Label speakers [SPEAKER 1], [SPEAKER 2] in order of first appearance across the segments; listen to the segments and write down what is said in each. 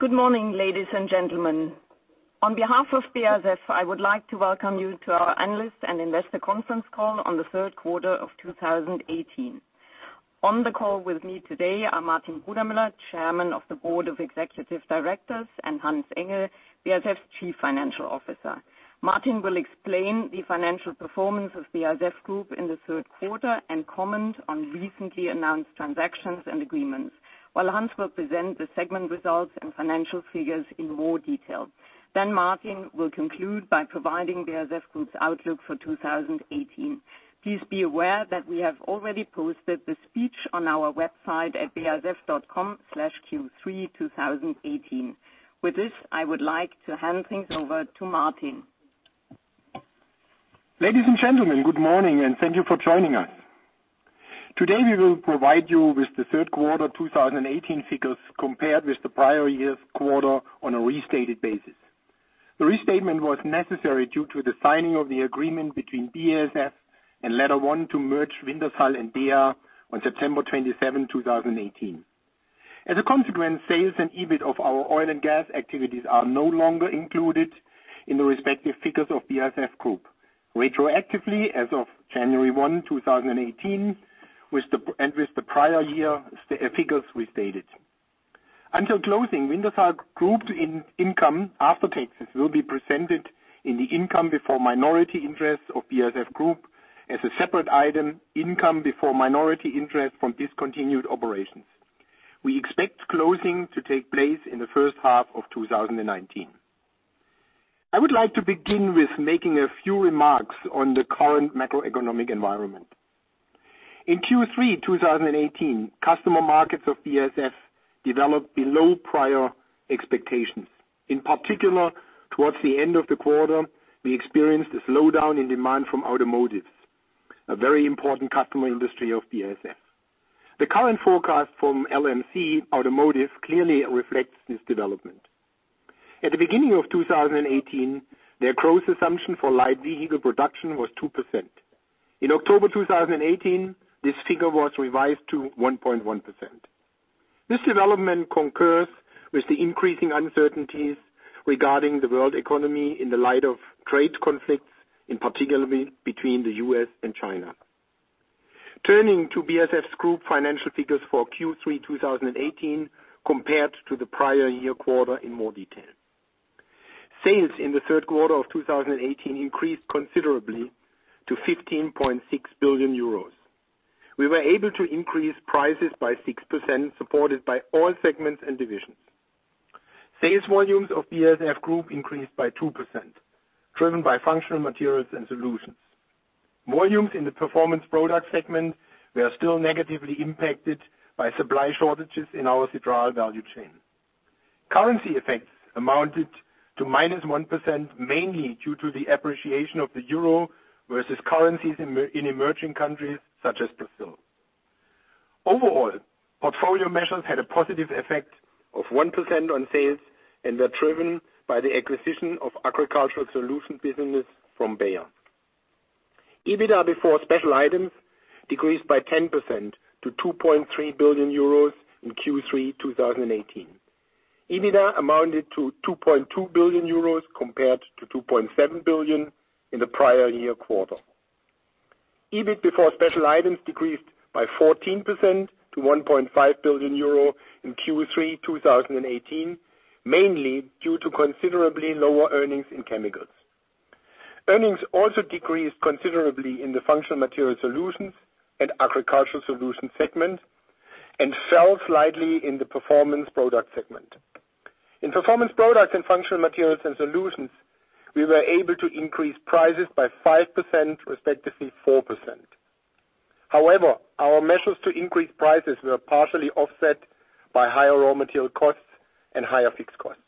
[SPEAKER 1] Good morning, ladies and gentlemen. On behalf of BASF, I would like to welcome you to our analyst and investor conference call on the third quarter of 2018. On the call with me today are Martin Brudermüller, Chairman of the Board of Executive Directors, and Hans-Ulrich Engel, BASF's Chief Financial Officer. Martin will explain the financial performance of BASF Group in the third quarter and comment on recently announced transactions and agreements, while Hans will present the segment results and financial figures in more detail. Martin will conclude by providing BASF Group's outlook for 2018. Please be aware that we have already posted the speech on our website at basf.com/q3 2018. With this, I would like to hand things over to Martin.
[SPEAKER 2] Ladies and gentlemen, good morning, and thank you for joining us. Today, we will provide you with the third quarter 2018 figures, compared with the prior year's quarter on a restated basis. The restatement was necessary due to the signing of the agreement between BASF and LetterOne to merge Wintershall and DEA on September 27, 2018. As a consequence, sales and EBIT of our oil and gas activities are no longer included in the respective figures of BASF Group, retroactively as of January 1, 2018, and with the prior year figures restated. Until closing, Wintershall Group income after taxes will be presented in the income before minority interests of BASF Group as a separate item, income before minority interest from discontinued operations. We expect closing to take place in the first half of 2019. I would like to begin with making a few remarks on the current macroeconomic environment. In Q3 2018, customer markets of BASF developed below prior expectations. In particular, towards the end of the quarter, we experienced a slowdown in demand from automotives, a very important customer industry of BASF. The current forecast from LMC Automotive clearly reflects this development. At the beginning of 2018, their gross assumption for light vehicle production was 2%. In October 2018, this figure was revised to 1.1%. This development concurs with the increasing uncertainties regarding the world economy in the light of trade conflicts, in particular between the U.S. and China. Turning to BASF's Group financial figures for Q3 2018 compared to the prior year quarter in more detail. Sales in the third quarter of 2018 increased considerably to 15.6 billion euros. We were able to increase prices by 6%, supported by all segments and divisions. Sales volumes of BASF Group increased by 2%, driven by Functional Materials & Solutions. Volumes in the Performance Products segment were still negatively impacted by supply shortages in our citral value chain. Currency effects amounted to -1%, mainly due to the appreciation of the euro versus currencies in emerging countries such as Brazil. Overall, portfolio measures had a positive effect of 1% on sales and were driven by the acquisition of Agricultural Solutions business from Bayer. EBITDA before special items decreased by 10% to 2.3 billion euros in Q3 2018. EBITDA amounted to 2.2 billion euros compared to 2.7 billion in the prior year quarter. EBIT before special items decreased by 14% to 1.5 billion euro in Q3 2018, mainly due to considerably lower earnings in chemicals. Earnings also decreased considerably in the Functional Materials & Solutions and Agricultural Solutions segment and fell slightly in the Performance Products segment. In Performance Products and Functional Materials & Solutions, we were able to increase prices by 5%, respectively 4%. Our measures to increase prices were partially offset by higher raw material costs and higher fixed costs.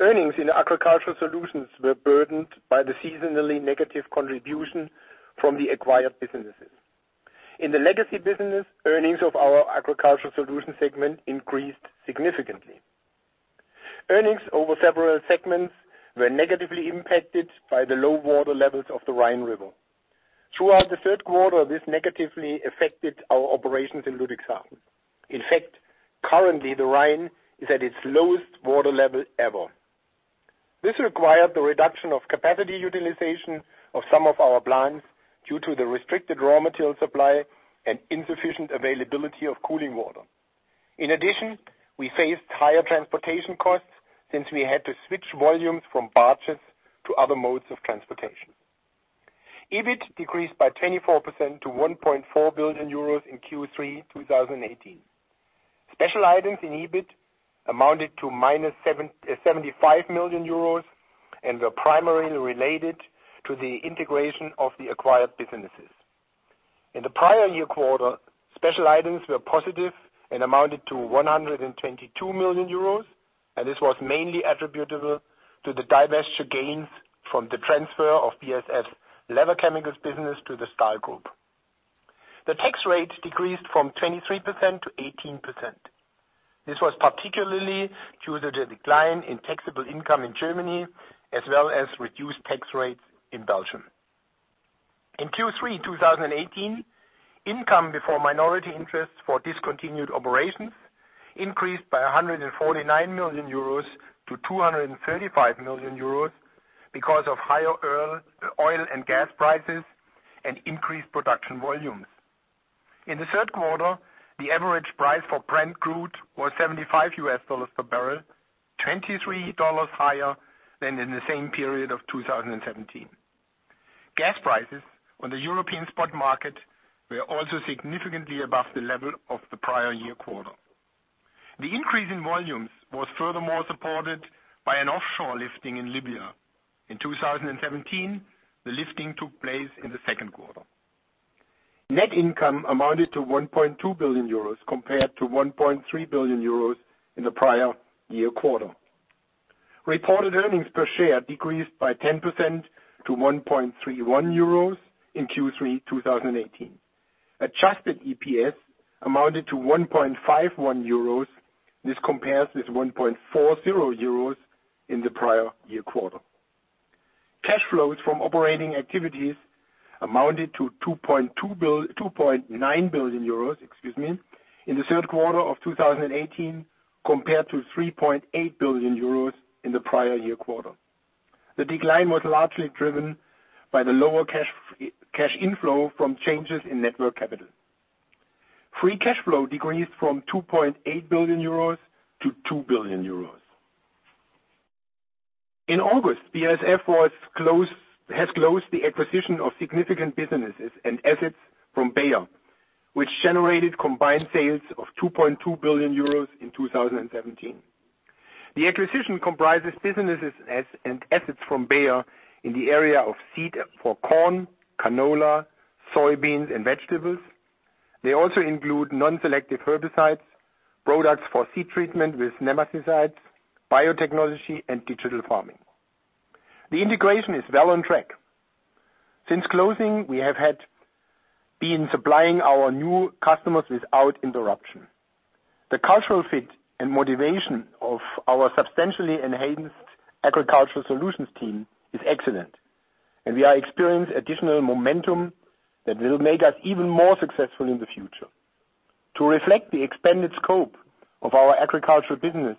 [SPEAKER 2] Earnings in Agricultural Solutions were burdened by the seasonally negative contribution from the acquired businesses. In the legacy business, earnings of our Agricultural Solutions segment increased significantly. Earnings over several segments were negatively impacted by the low water levels of the Rhine River. Throughout the third quarter, this negatively affected our operations in Ludwigshafen. In fact, currently the Rhine is at its lowest water level ever. This required the reduction of capacity utilization of some of our plants due to the restricted raw material supply and insufficient availability of cooling water. In addition, we faced higher transportation costs since we had to switch volumes from barges to other modes of transportation. EBIT decreased by 24% to 1.4 billion euros in Q3 2018. Special items in EBIT amounted to minus 75 million euros and were primarily related to the integration of the acquired businesses. In the prior year quarter, special items were positive and amounted to 122 million euros. This was mainly attributable to the divesture gains from the transfer of BASF's leather chemicals business to the Stahl Group. The tax rate decreased from 23% to 18%. This was particularly due to the decline in taxable income in Germany as well as reduced tax rates in Belgium. In Q3 2018, income before minority interests for discontinued operations increased by 149 million euros to 235 million euros because of higher oil and gas prices and increased production volumes. In the third quarter, the average price for Brent crude was $75 per barrel, $23 higher than in the same period of 2017. Gas prices on the European spot market were also significantly above the level of the prior year quarter. The increase in volumes was furthermore supported by an offshore lifting in Libya. In 2017, the lifting took place in the second quarter. Net income amounted to 1.2 billion euros compared to 1.3 billion euros in the prior year quarter. Reported EPS decreased by 10% to 1.31 euros in Q3 2018. Adjusted EPS amounted to 1.51 euros. This compares with 1.40 euros in the prior year quarter. Cash flows from operating activities amounted to 2.9 billion euros in the third quarter of 2018, compared to 3.8 billion euros in the prior year quarter. The decline was largely driven by the lower cash inflow from changes in net worth capital. Free cash flow decreased from 2.8 billion euros to 2 billion euros. In August, BASF has closed the acquisition of significant businesses and assets from Bayer, which generated combined sales of 2.2 billion euros in 2017. The acquisition comprises businesses and assets from Bayer in the area of seed for corn, canola, soybeans, and vegetables. They also include non-selective herbicides, products for seed treatment with nematicides, biotechnology, and digital farming. The integration is well on track. Since closing, we have been supplying our new customers without interruption. The cultural fit and motivation of our substantially enhanced agricultural solutions team is excellent. We are experiencing additional momentum that will make us even more successful in the future. To reflect the expanded scope of our agricultural business,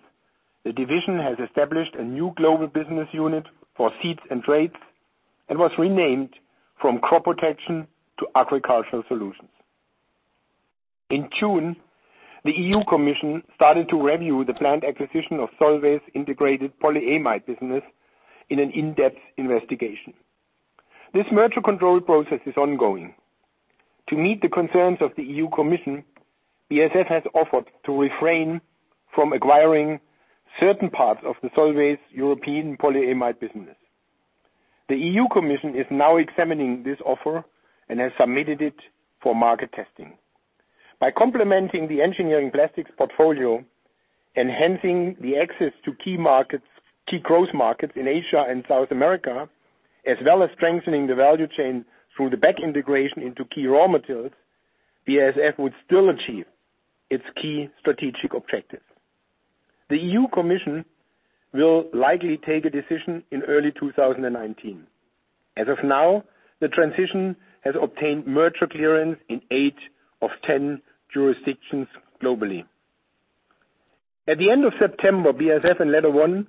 [SPEAKER 2] the division has established a new global business unit for seeds and traits and was renamed from Crop Protection to Agricultural Solutions. In June, the EU Commission started to review the planned acquisition of Solvay's integrated polyamide business in an in-depth investigation. This merger control process is ongoing. To meet the concerns of the EU Commission, BASF has offered to refrain from acquiring certain parts of Solvay's European polyamide business. The EU Commission is now examining this offer and has submitted it for market testing. By complementing the engineering plastics portfolio, enhancing the access to key growth markets in Asia and South America, as well as strengthening the value chain through the back integration into key raw materials, BASF would still achieve its key strategic objectives. The EU Commission will likely take a decision in early 2019. As of now, the transition has obtained merger clearance in 8 of 10 jurisdictions globally. At the end of September, BASF and LetterOne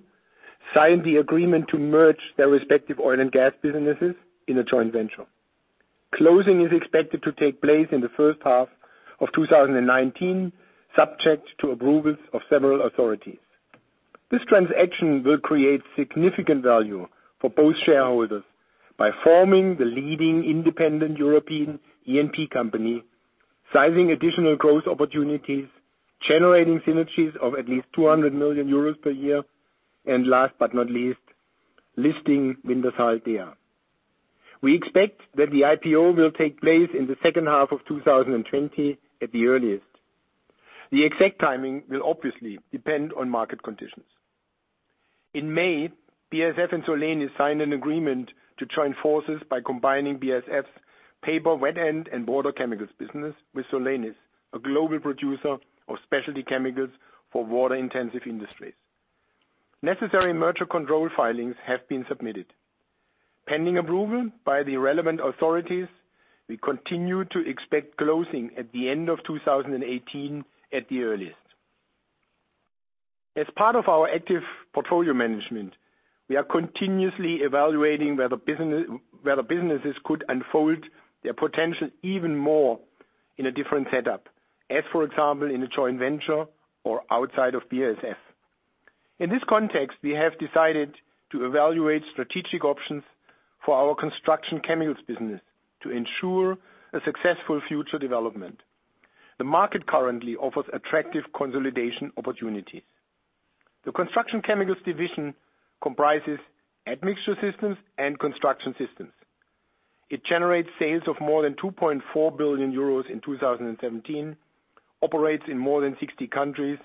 [SPEAKER 2] signed the agreement to merge their respective oil and gas businesses in a joint venture. Closing is expected to take place in the first half of 2019, subject to approvals of several authorities. This transaction will create significant value for both shareholders by forming the leading independent European E&P company, sizing additional growth opportunities, generating synergies of at least 200 million euros per year, and last but not least, listing Wintershall Dea. We expect that the IPO will take place in the second half of 2020 at the earliest. The exact timing will obviously depend on market conditions. In May, BASF and Solenis signed an agreement to join forces by combining BASF's paper wet-end and water chemicals business with Solenis, a global producer of specialty chemicals for water-intensive industries. Necessary merger control filings have been submitted. Pending approval by the relevant authorities, we continue to expect closing at the end of 2018 at the earliest. As part of our active portfolio management, we are continuously evaluating whether businesses could unfold their potential even more in a different setup, as for example, in a joint venture or outside of BASF. In this context, we have decided to evaluate strategic options for our Construction Chemicals business to ensure a successful future development. The market currently offers attractive consolidation opportunities. The Construction Chemicals division comprises admixture systems and construction systems. It generates sales of more than 2.4 billion euros in 2017, operates in more than 60 countries,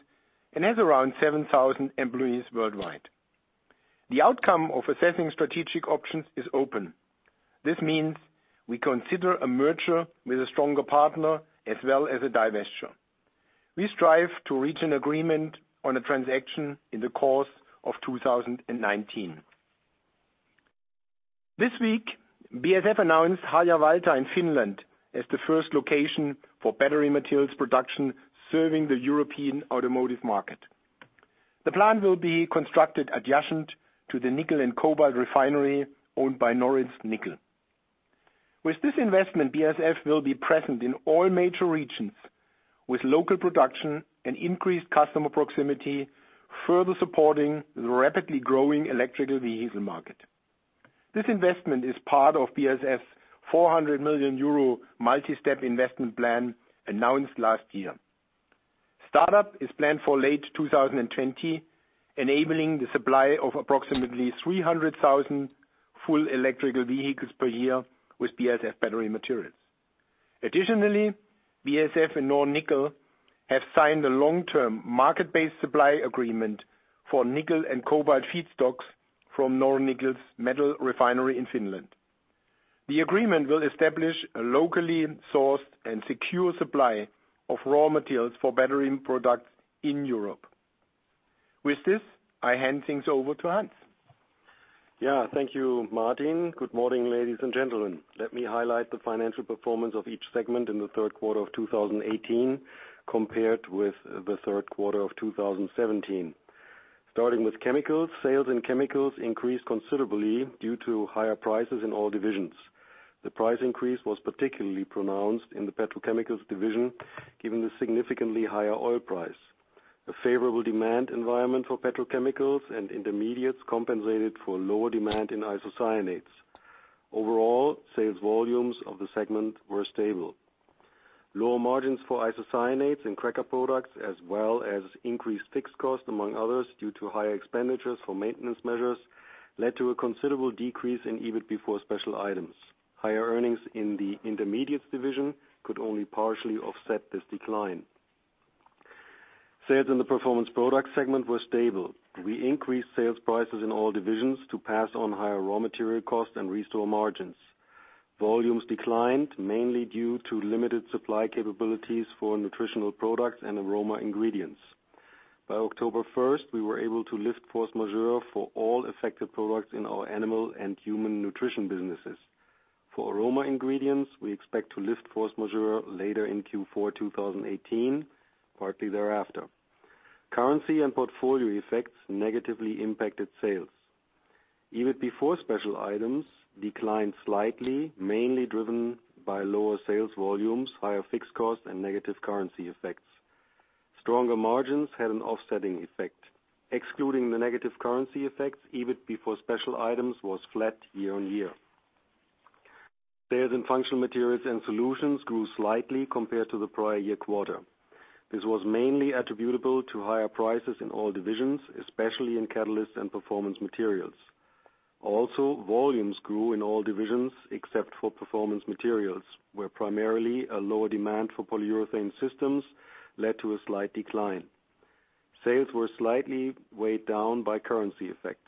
[SPEAKER 2] and has around 7,000 employees worldwide. The outcome of assessing strategic options is open. This means we consider a merger with a stronger partner as well as a divesture. We strive to reach an agreement on a transaction in the course of 2019. This week, BASF announced Harjavalta in Finland as the first location for battery materials production serving the European automotive market. The plant will be constructed adjacent to the nickel and cobalt refinery owned by Nornickel. With this investment, BASF will be present in all major regions with local production and increased customer proximity, further supporting the rapidly growing electrical vehicle market. This investment is part of BASF's 400 million euro multi-step investment plan announced last year. Start up is planned for late 2020, enabling the supply of approximately 300,000 full electrical vehicles per year with BASF battery materials. Additionally, BASF and Nornickel have signed a long-term market-based supply agreement for nickel and cobalt feedstocks from Nornickel's metal refinery in Finland. The agreement will establish a locally sourced and secure supply of raw materials for battery products in Europe. With this, I hand things over to Hans.
[SPEAKER 3] Thank you, Martin. Good morning, ladies and gentlemen. Let me highlight the financial performance of each segment in the third quarter of 2018, compared with the third quarter of 2017. Starting with chemicals, sales in chemicals increased considerably due to higher prices in all divisions. The price increase was particularly pronounced in the petrochemicals division, given the significantly higher oil price. A favorable demand environment for petrochemicals and intermediates compensated for lower demand in isocyanates. Overall, sales volumes of the segment were stable. Lower margins for isocyanates and cracker products, as well as increased fixed cost, among others, due to higher expenditures for maintenance measures, led to a considerable decrease in EBIT before special items. Higher earnings in the intermediates division could only partially offset this decline. Sales in the Performance Products segment were stable. We increased sales prices in all divisions to pass on higher raw material costs and restore margins. Volumes declined mainly due to limited supply capabilities for nutritional products and aroma ingredients. By October 1st, we were able to lift force majeure for all affected products in our animal and human nutrition businesses. For aroma ingredients, we expect to lift force majeure later in Q4 2018, partly thereafter. Currency and portfolio effects negatively impacted sales. EBIT before special items declined slightly, mainly driven by lower sales volumes, higher fixed costs, and negative currency effects. Stronger margins had an offsetting effect. Excluding the negative currency effects, EBIT before special items was flat year-on-year. Sales in Functional Materials & Solutions grew slightly compared to the prior year quarter. This was mainly attributable to higher prices in all divisions, especially in catalysts and performance materials. Volumes grew in all divisions except for performance materials, where primarily a lower demand for polyurethane systems led to a slight decline. Sales were slightly weighed down by currency effects.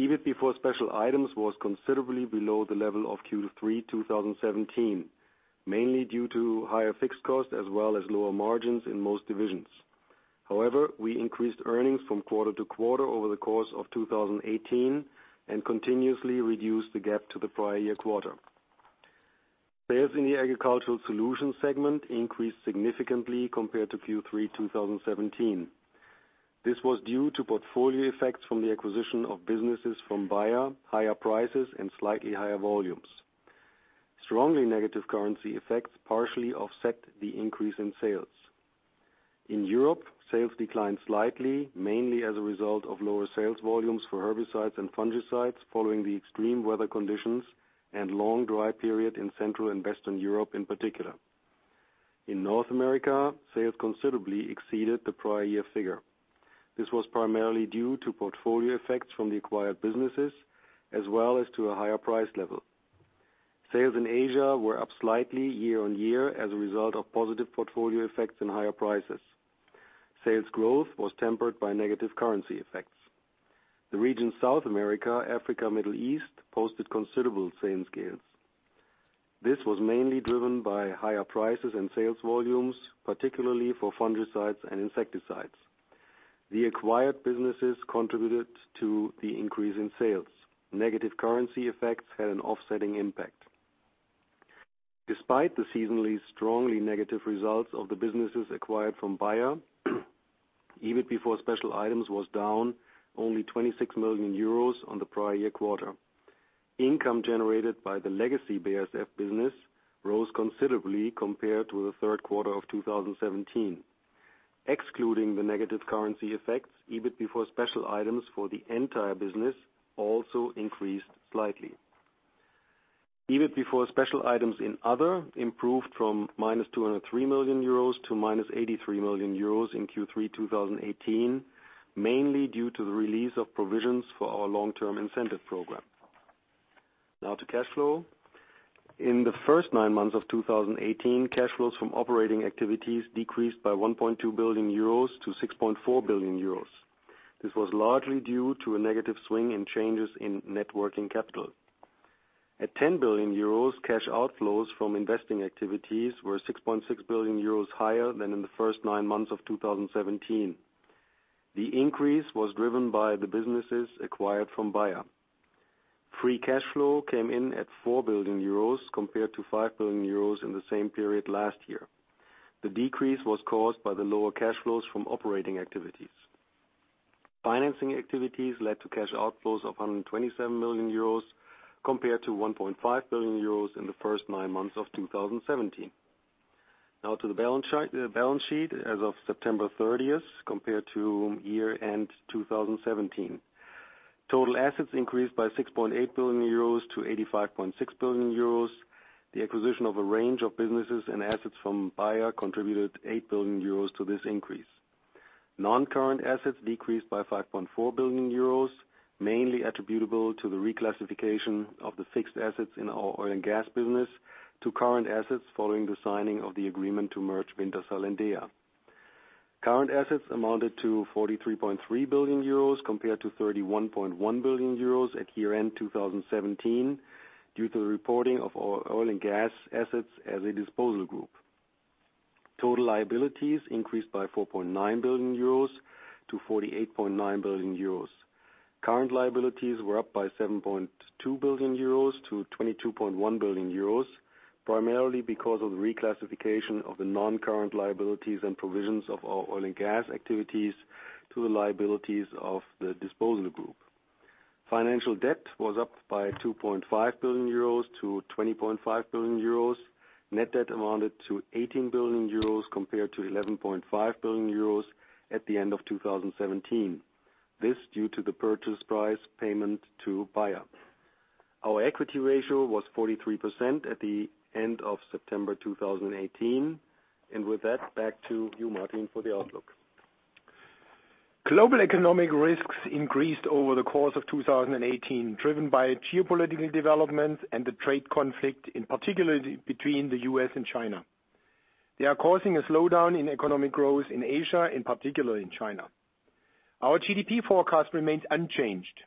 [SPEAKER 3] EBIT before special items was considerably below the level of Q3 2017, mainly due to higher fixed costs as well as lower margins in most divisions. However, we increased earnings from quarter-to-quarter over the course of 2018 and continuously reduced the gap to the prior year quarter. Sales in the Agricultural Solutions segment increased significantly compared to Q3 2017. This was due to portfolio effects from the acquisition of businesses from Bayer, higher prices, and slightly higher volumes. Strongly negative currency effects partially offset the increase in sales. In Europe, sales declined slightly, mainly as a result of lower sales volumes for herbicides and fungicides following the extreme weather conditions and long dry period in Central and Western Europe in particular. In North America, sales considerably exceeded the prior year figure. This was primarily due to portfolio effects from the acquired businesses, as well as to a higher price level. Sales in Asia were up slightly year-on-year as a result of positive portfolio effects and higher prices. Sales growth was tempered by negative currency effects. The region South America, Africa, Middle East posted considerable sales gains. This was mainly driven by higher prices and sales volumes, particularly for fungicides and insecticides. The acquired businesses contributed to the increase in sales. Negative currency effects had an offsetting impact. Despite the seasonally strongly negative results of the businesses acquired from Bayer, EBIT before special items was down only 26 million euros on the prior year quarter. Income generated by the legacy BASF business rose considerably compared to the third quarter of 2017. Excluding the negative currency effects, EBIT before special items for the entire business also increased slightly. EBIT before special items in other improved from minus 203 million euros to minus 83 million euros in Q3 2018, mainly due to the release of provisions for our long-term incentive program. Now to cash flow. In the first nine months of 2018, cash flows from operating activities decreased by 1.2 billion euros to 6.4 billion euros. This was largely due to a negative swing in changes in net working capital. At 10 billion euros, cash outflows from investing activities were 6.6 billion euros higher than in the first nine months of 2017. The increase was driven by the businesses acquired from Bayer. Free cash flow came in at 4 billion euros compared to 5 billion euros in the same period last year. The decrease was caused by the lower cash flows from operating activities. Financing activities led to cash outflows of 127 million euros compared to 1.5 billion euros in the first nine months of 2017. Now to the balance sheet as of September 30th compared to year-end 2017. Total assets increased by 6.8 billion euros to 85.6 billion euros. The acquisition of a range of businesses and assets from Bayer contributed 8 billion euros to this increase. Non-current assets decreased by 5.4 billion euros, mainly attributable to the reclassification of the fixed assets in our oil and gas business to current assets following the signing of the agreement to merge Wintershall and DEA. Current assets amounted to 43.3 billion euros compared to 31.1 billion euros at year-end 2017, due to the reporting of our oil and gas assets as a disposal group. Total liabilities increased by 4.9 billion euros to 48.9 billion euros. Current liabilities were up by 7.2 billion euros to 22.1 billion euros, primarily because of the reclassification of the non-current liabilities and provisions of our oil and gas activities to the liabilities of the disposal group. Financial debt was up by 2.5 billion euros to 20.5 billion euros. Net debt amounted to 18 billion euros compared to 11.5 billion euros at the end of 2017. This due to the purchase price payment to Bayer. Our equity ratio was 43% at the end of September 2018. And with that, back to you, Martin, for the outlook.
[SPEAKER 2] Global economic risks increased over the course of 2018, driven by geopolitical developments and the trade conflict, in particular between the U.S. and China. They are causing a slowdown in economic growth in Asia, in particular in China. Our GDP forecast remains unchanged.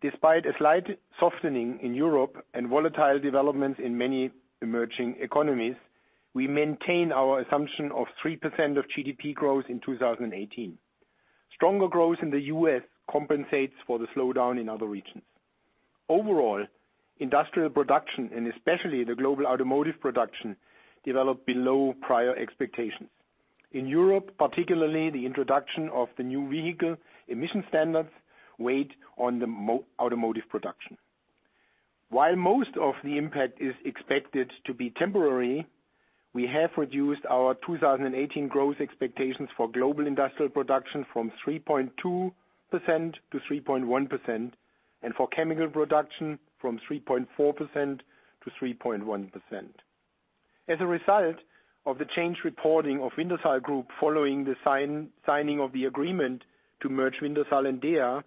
[SPEAKER 2] Despite a slight softening in Europe and volatile developments in many emerging economies, we maintain our assumption of 3% of GDP growth in 2018. Stronger growth in the U.S. compensates for the slowdown in other regions. Overall, industrial production, and especially the global automotive production, developed below prior expectations. In Europe, particularly the introduction of the new vehicle emission standards weighed on the automotive production. While most of the impact is expected to be temporary, we have reduced our 2018 growth expectations for global industrial production from 3.2% to 3.1%, and for chemical production from 3.4% to 3.1%. As a result of the change reporting of Wintershall Group following the signing of the agreement to merge Wintershall and DEA,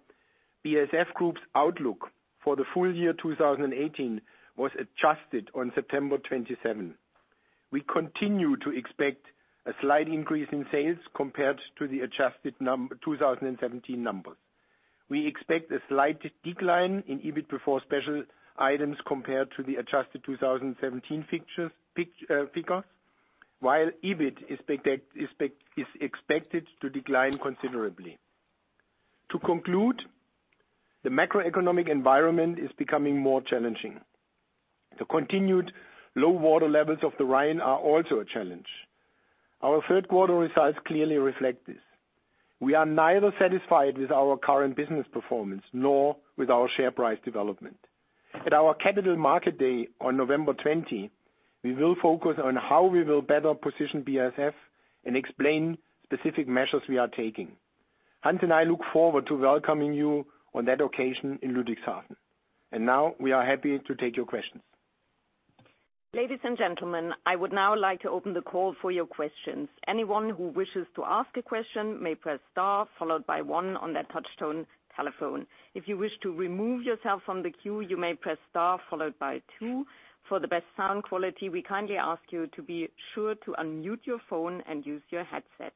[SPEAKER 2] BASF Group's outlook for the full year 2018 was adjusted on September 27. We continue to expect a slight increase in sales compared to the adjusted 2017 numbers. We expect a slight decline in EBIT before special items compared to the adjusted 2017 figures, while EBIT is expected to decline considerably. To conclude, the macroeconomic environment is becoming more challenging. The continued low water levels of the Rhine are also a challenge. Our third quarter results clearly reflect this. We are neither satisfied with our current business performance nor with our share price development. At our Capital Markets Day on November 20, we will focus on how we will better position BASF and explain specific measures we are taking. Hans and I look forward to welcoming you on that occasion in Ludwigshafen. Now, we are happy to take your questions.
[SPEAKER 1] Ladies and gentlemen, I would now like to open the call for your questions. Anyone who wishes to ask a question may press star followed by one on their touch-tone telephone. If you wish to remove yourself from the queue, you may press star followed by two. For the best sound quality, we kindly ask you to be sure to unmute your phone and use your headset.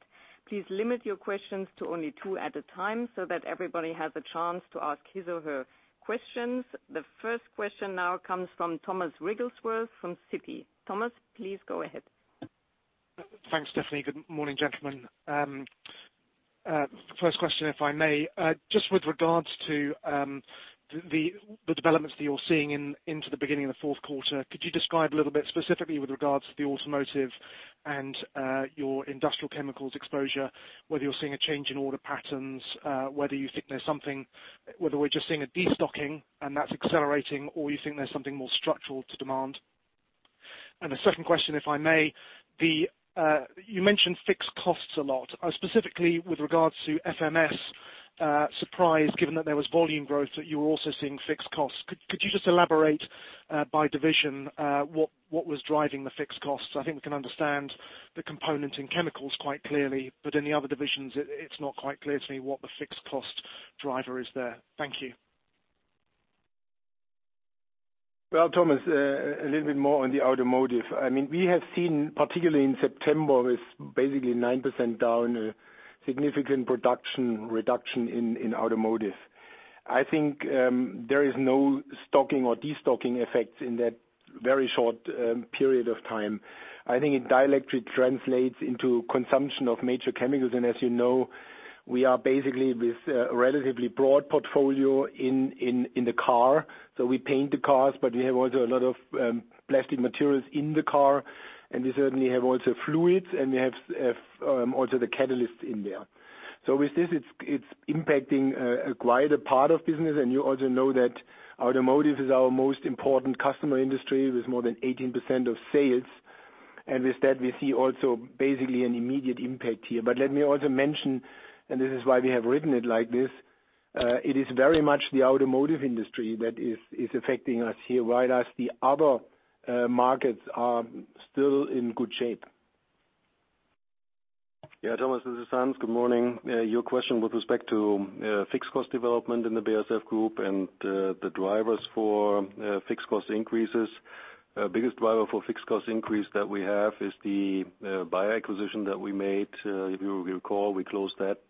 [SPEAKER 1] Please limit your questions to only two at a time so that everybody has a chance to ask his or her questions. The first question now comes from Thomas Wrigglesworth from Citi. Thomas, please go ahead.
[SPEAKER 4] Thanks, Stefanie. Good morning, gentlemen. First question, if I may. Just with regards to the developments that you're seeing into the beginning of the fourth quarter, could you describe a little bit specifically with regards to the automotive and your industrial chemicals exposure, whether you're seeing a change in order patterns, whether we're just seeing a destocking and that's accelerating, or you think there's something more structural to demand? A second question, if I may. You mentioned fixed costs a lot. Specifically with regards to FMS surprise, given that there was volume growth, that you were also seeing fixed costs. Could you just elaborate by division what was driving the fixed costs? I think we can understand the component in chemicals quite clearly, but in the other divisions, it's not quite clear to me what the fixed cost driver is there. Thank you.
[SPEAKER 2] Well, Thomas, a little bit more on the automotive. We have seen, particularly in September, with basically 9% down, a significant production reduction in automotive. I think there is no stocking or destocking effects in that very short period of time. I think it directly translates into consumption of major chemicals. As you know, we are basically with a relatively broad portfolio in the car. We paint the cars, but we have also a lot of plastic materials in the car, and we certainly have also fluids, and we have also the catalyst in there. With this, it is impacting a wider part of business. You also know that automotive is our most important customer industry, with more than 18% of sales. With that, we see also basically an immediate impact here. Let me also mention, and this is why we have written it like this, it is very much the automotive industry that is affecting us here, while the other markets are still in good shape.
[SPEAKER 3] Thomas, this is Hans. Good morning. Your question with respect to fixed cost development in the BASF Group and the drivers for fixed cost increases. Biggest driver for fixed cost increase that we have is the Bayer acquisition that we made. If you recall, we closed that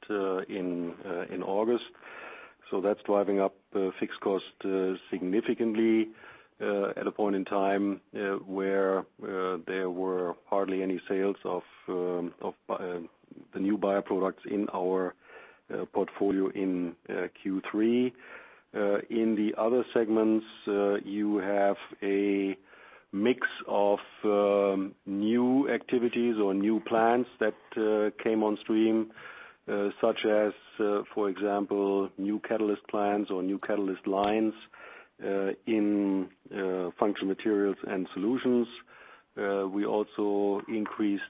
[SPEAKER 3] in August. That is driving up fixed cost significantly, at a point in time where there were hardly any sales of the new Bayer products in our portfolio in Q3. In the other segments, you have a mix of new activities or new plans that came on stream, such as, for example, new catalyst plans or new catalyst lines in Functional Materials & Solutions. We also increased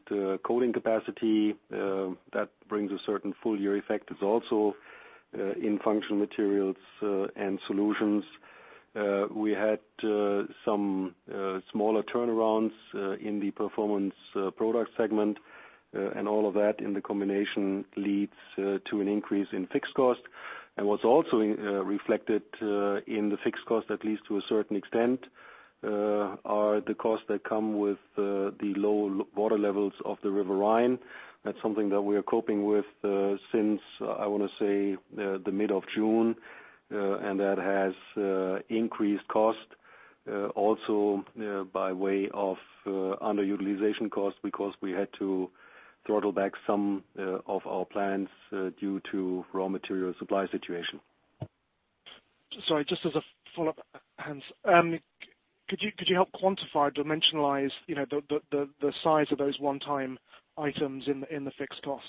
[SPEAKER 3] coating capacity. That brings a certain full-year effect. It is also in Functional Materials & Solutions. We had some smaller turnarounds in the Performance Products segment. All of that in the combination leads to an increase in fixed cost. What is also reflected in the fixed cost, at least to a certain extent, are the costs that come with the low water levels of the Rhine River. That is something that we are coping with since, I want to say, the middle of June, that has increased cost, also by way of underutilization cost, because we had to throttle back some of our plants due to raw material supply situation.
[SPEAKER 4] Sorry, just as a follow-up, Hans. Could you help quantify, dimensionalize the size of those one-time items in the fixed costs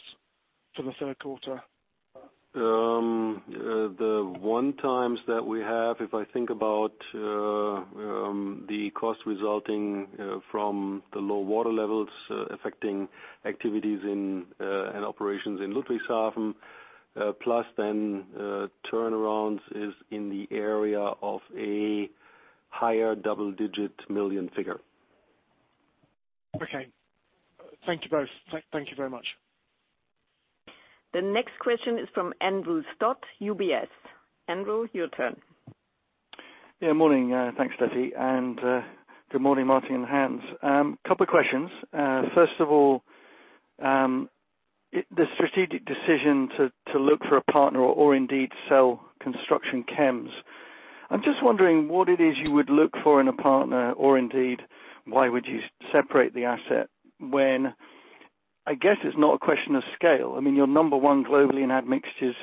[SPEAKER 4] for the third quarter?
[SPEAKER 3] The one times that we have, if I think about the cost resulting from the low water levels affecting activities and operations in Ludwigshafen, plus then turnarounds is in the area of a higher double-digit million figure.
[SPEAKER 4] Okay. Thank you both. Thank you very much.
[SPEAKER 1] The next question is from Andrew Stott, UBS. Andrew, your turn.
[SPEAKER 5] Morning. Thanks, Steffi. Good morning, Martin and Hans. Couple of questions. First of all, the strategic decision to look for a partner or indeed sell Construction Chems. I'm just wondering what it is you would look for in a partner, or indeed, why would you separate the asset when, I guess it's not a question of scale. I mean, you're number one globally in admixtures,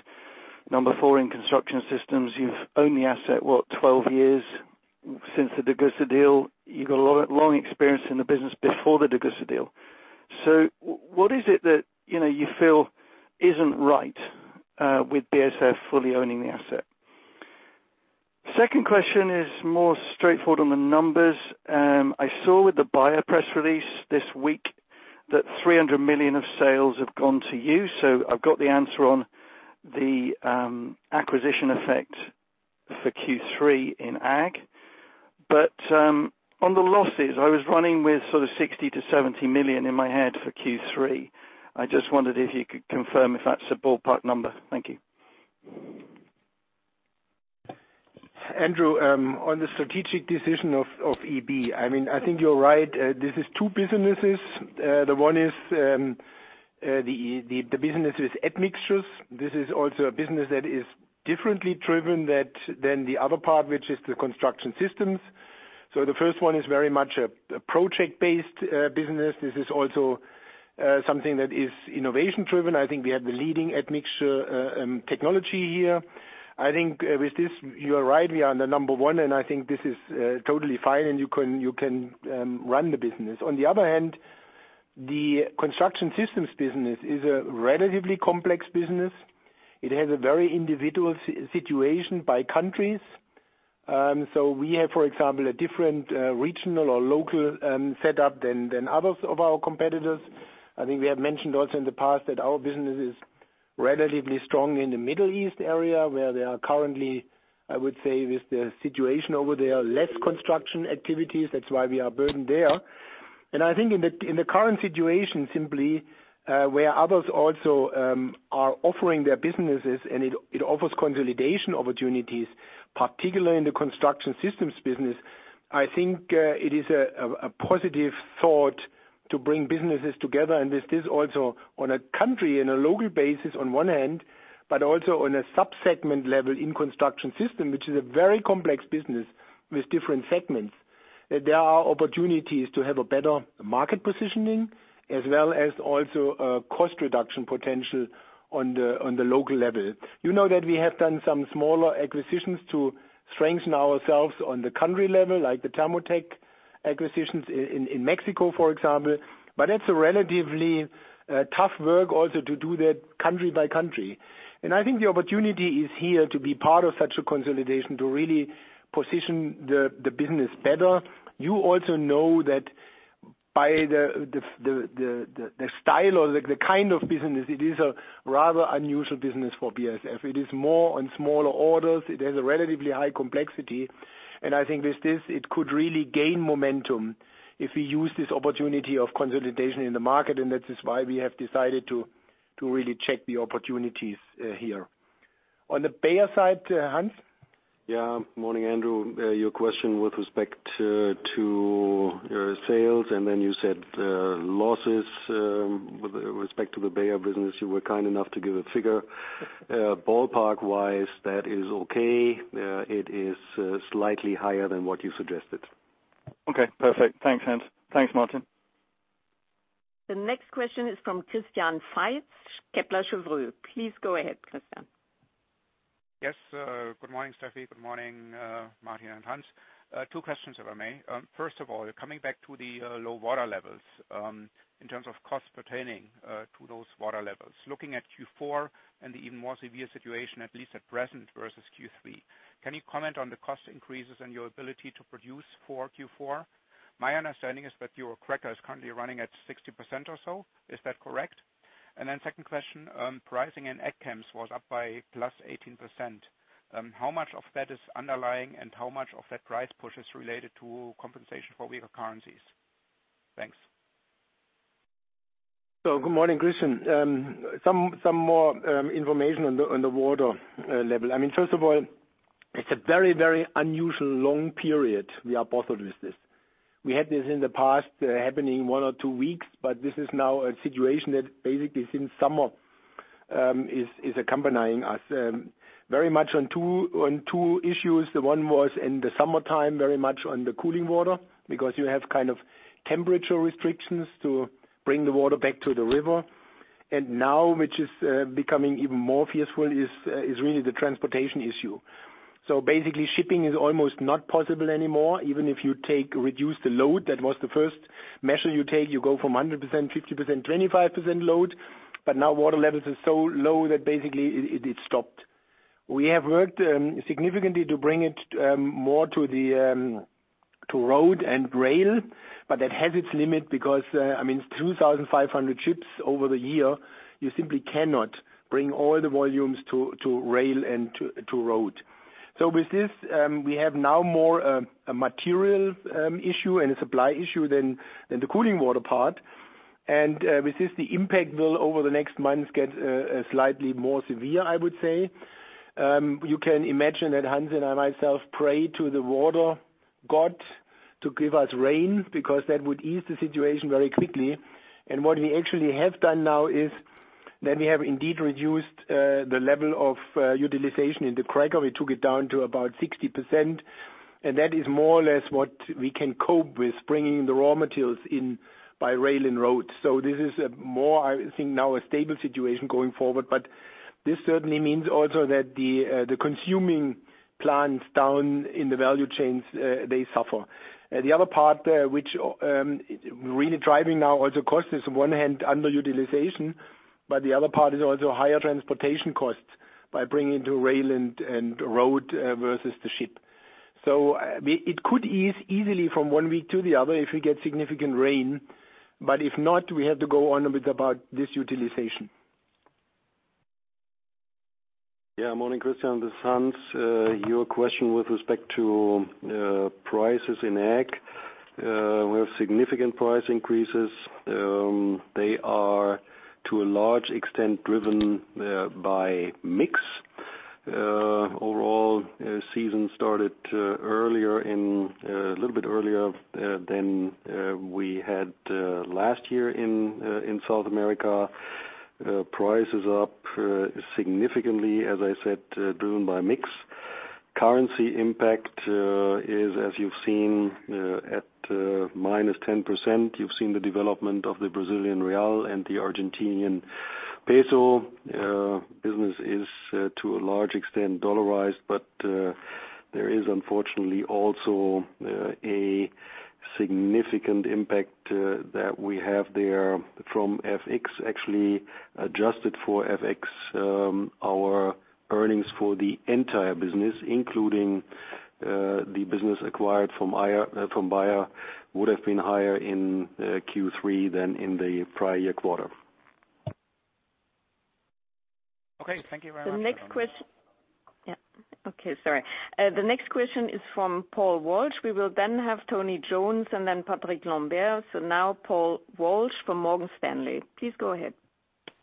[SPEAKER 5] number four in construction systems. You've owned the asset, what, 12 years since the Degussa deal. You've got long experience in the business before the Degussa deal. What is it that you feel isn't right with BASF fully owning the asset? Second question is more straightforward on the numbers. I saw with the Bayer press release this week that 300 million of sales have gone to you, so I've got the answer on the acquisition effect for Q3 in Ag. On the losses, I was running with sort of 60 million to 70 million in my head for Q3. I just wondered if you could confirm if that's a ballpark number. Thank you.
[SPEAKER 2] Andrew, on the strategic decision of EB, I think you're right. This is two businesses. One is the business is admixtures. This is also a business that is differently driven than the other part, which is the construction systems. The first one is very much a project-based business. This is also something that is innovation-driven. I think we have the leading admixture technology here. I think with this, you are right, we are the number one, and I think this is totally fine and you can run the business. On the other hand, the construction systems business is a relatively complex business. It has a very individual situation by countries. We have, for example, a different regional or local setup than others of our competitors. I think we have mentioned also in the past that our business is relatively strong in the Middle East area, where there are currently, I would say, with the situation over there less construction activities. That's why we are burdened there. I think in the current situation simply, where others also are offering their businesses and it offers consolidation opportunities. Particularly in the construction systems business, I think it is a positive thought to bring businesses together, and this is also on a country and a local basis on one hand, but also on a sub-segment level in construction system, which is a very complex business with different segments. There are opportunities to have a better market positioning as well as also a cost reduction potential on the local level. You know that we have done some smaller acquisitions to strengthen ourselves on the country level, like the Thermotek acquisitions in Mexico, for example. It's a relatively tough work also to do that country by country. I think the opportunity is here to be part of such a consolidation to really position the business better. You also know that by the style or the kind of business, it is a rather unusual business for BASF. It is more on smaller orders. It has a relatively high complexity. I think with this, it could really gain momentum if we use this opportunity of consolidation in the market, and that is why we have decided to really check the opportunities here. On the Bayer side, Hans?
[SPEAKER 3] Yeah. Morning, Andrew. Your question with respect to your sales, then you said losses with respect to the Bayer business, you were kind enough to give a figure. Ballpark-wise, that is okay. It is slightly higher than what you suggested.
[SPEAKER 5] Okay, perfect. Thanks, Hans. Thanks, Martin.
[SPEAKER 1] The next question is from Christian Faitz, Kepler Cheuvreux. Please go ahead, Christian.
[SPEAKER 6] Yes, good morning, Steffi. Good morning, Martin and Hans. Two questions, if I may. First of all, coming back to the low water levels, in terms of costs pertaining to those water levels. Looking at Q4 and the even more severe situation, at least at present versus Q3, can you comment on the cost increases and your ability to produce for Q4? My understanding is that your cracker is currently running at 60% or so. Is that correct? Second question, pricing in Ag chems was up by +18%. How much of that is underlying and how much of that price push is related to compensation for weaker currencies? Thanks.
[SPEAKER 2] Good morning, Christian. Some more information on the water level. First of all, it's a very unusual long period we are bothered with this. We had this in the past happening one or two weeks, but this is now a situation that basically since summer is accompanying us. Very much on two issues. The one was in the summertime, very much on the cooling water because you have kind of temperature restrictions to bring the water back to the river. Now, which is becoming even more fearful, is really the transportation issue. Basically shipping is almost not possible anymore, even if you reduce the load. That was the first measure you take. You go from 100%, 50%, 25% load, but now water levels are so low that basically it stopped. We have worked significantly to bring it more to road and rail, but that has its limit because it's 2,500 ships over the year. You simply cannot bring all the volumes to rail and to road. With this, we have now more a material issue and a supply issue than the cooling water part. With this, the impact will over the next months get slightly more severe, I would say. You can imagine that Hans and I myself pray to the water god to give us rain, because that would ease the situation very quickly. What we actually have done now is that we have indeed reduced the level of utilization in the cracker. We took it down to about 60%, and that is more or less what we can cope with bringing the raw materials in by rail and road. This is more, I think now, a stable situation going forward, but that certainly means also that the consuming plants down in the value chains, they suffer. The other part which really driving now also cost is one hand underutilization, but the other part is also higher transportation costs by bringing to rail and road versus the ship. It could ease easily from one week to the other if we get significant rain. If not, we have to go on a bit about this utilization.
[SPEAKER 3] Morning, Christian. This is Hans. Your question with respect to prices in ag. We have significant price increases. They are to a large extent driven by mix. Overall, season started a little bit earlier than we had last year in South America. Price is up significantly, as I said, driven by mix. Currency impact is, as you've seen, at -10%. You've seen the development of the Brazilian real and the Argentinian peso. Business is to a large extent dollarized, but there is unfortunately also a significant impact that we have there from FX actually adjusted for FX. Our earnings for the entire business, including the business acquired from Bayer, would have been higher in Q3 than in the prior year quarter.
[SPEAKER 6] Okay. Thank you very much.
[SPEAKER 1] The next question is from Paul Walsh. We will then have Tony Jones and then Patrick Lambert. Now Paul Walsh from Morgan Stanley. Please go ahead.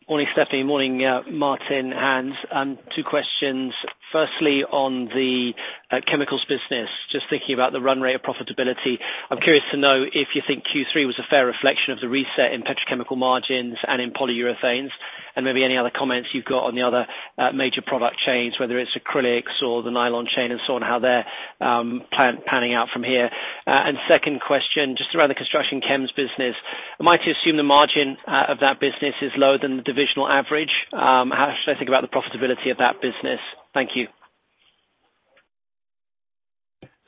[SPEAKER 7] Morning, Stefanie. Morning, Martin and Hans. Two questions. Firstly, on the chemicals business, just thinking about the run rate of profitability, I am curious to know if you think Q3 was a fair reflection of the reset in petrochemical margins and in polyurethanes, and maybe any other comments you have got on the other major product chains, whether it is acrylics or the nylon chain and so on, how they are panning out from here. Second question, just around the Construction Chems business. Am I to assume the margin of that business is lower than the divisional average? How should I think about the profitability of that business? Thank you.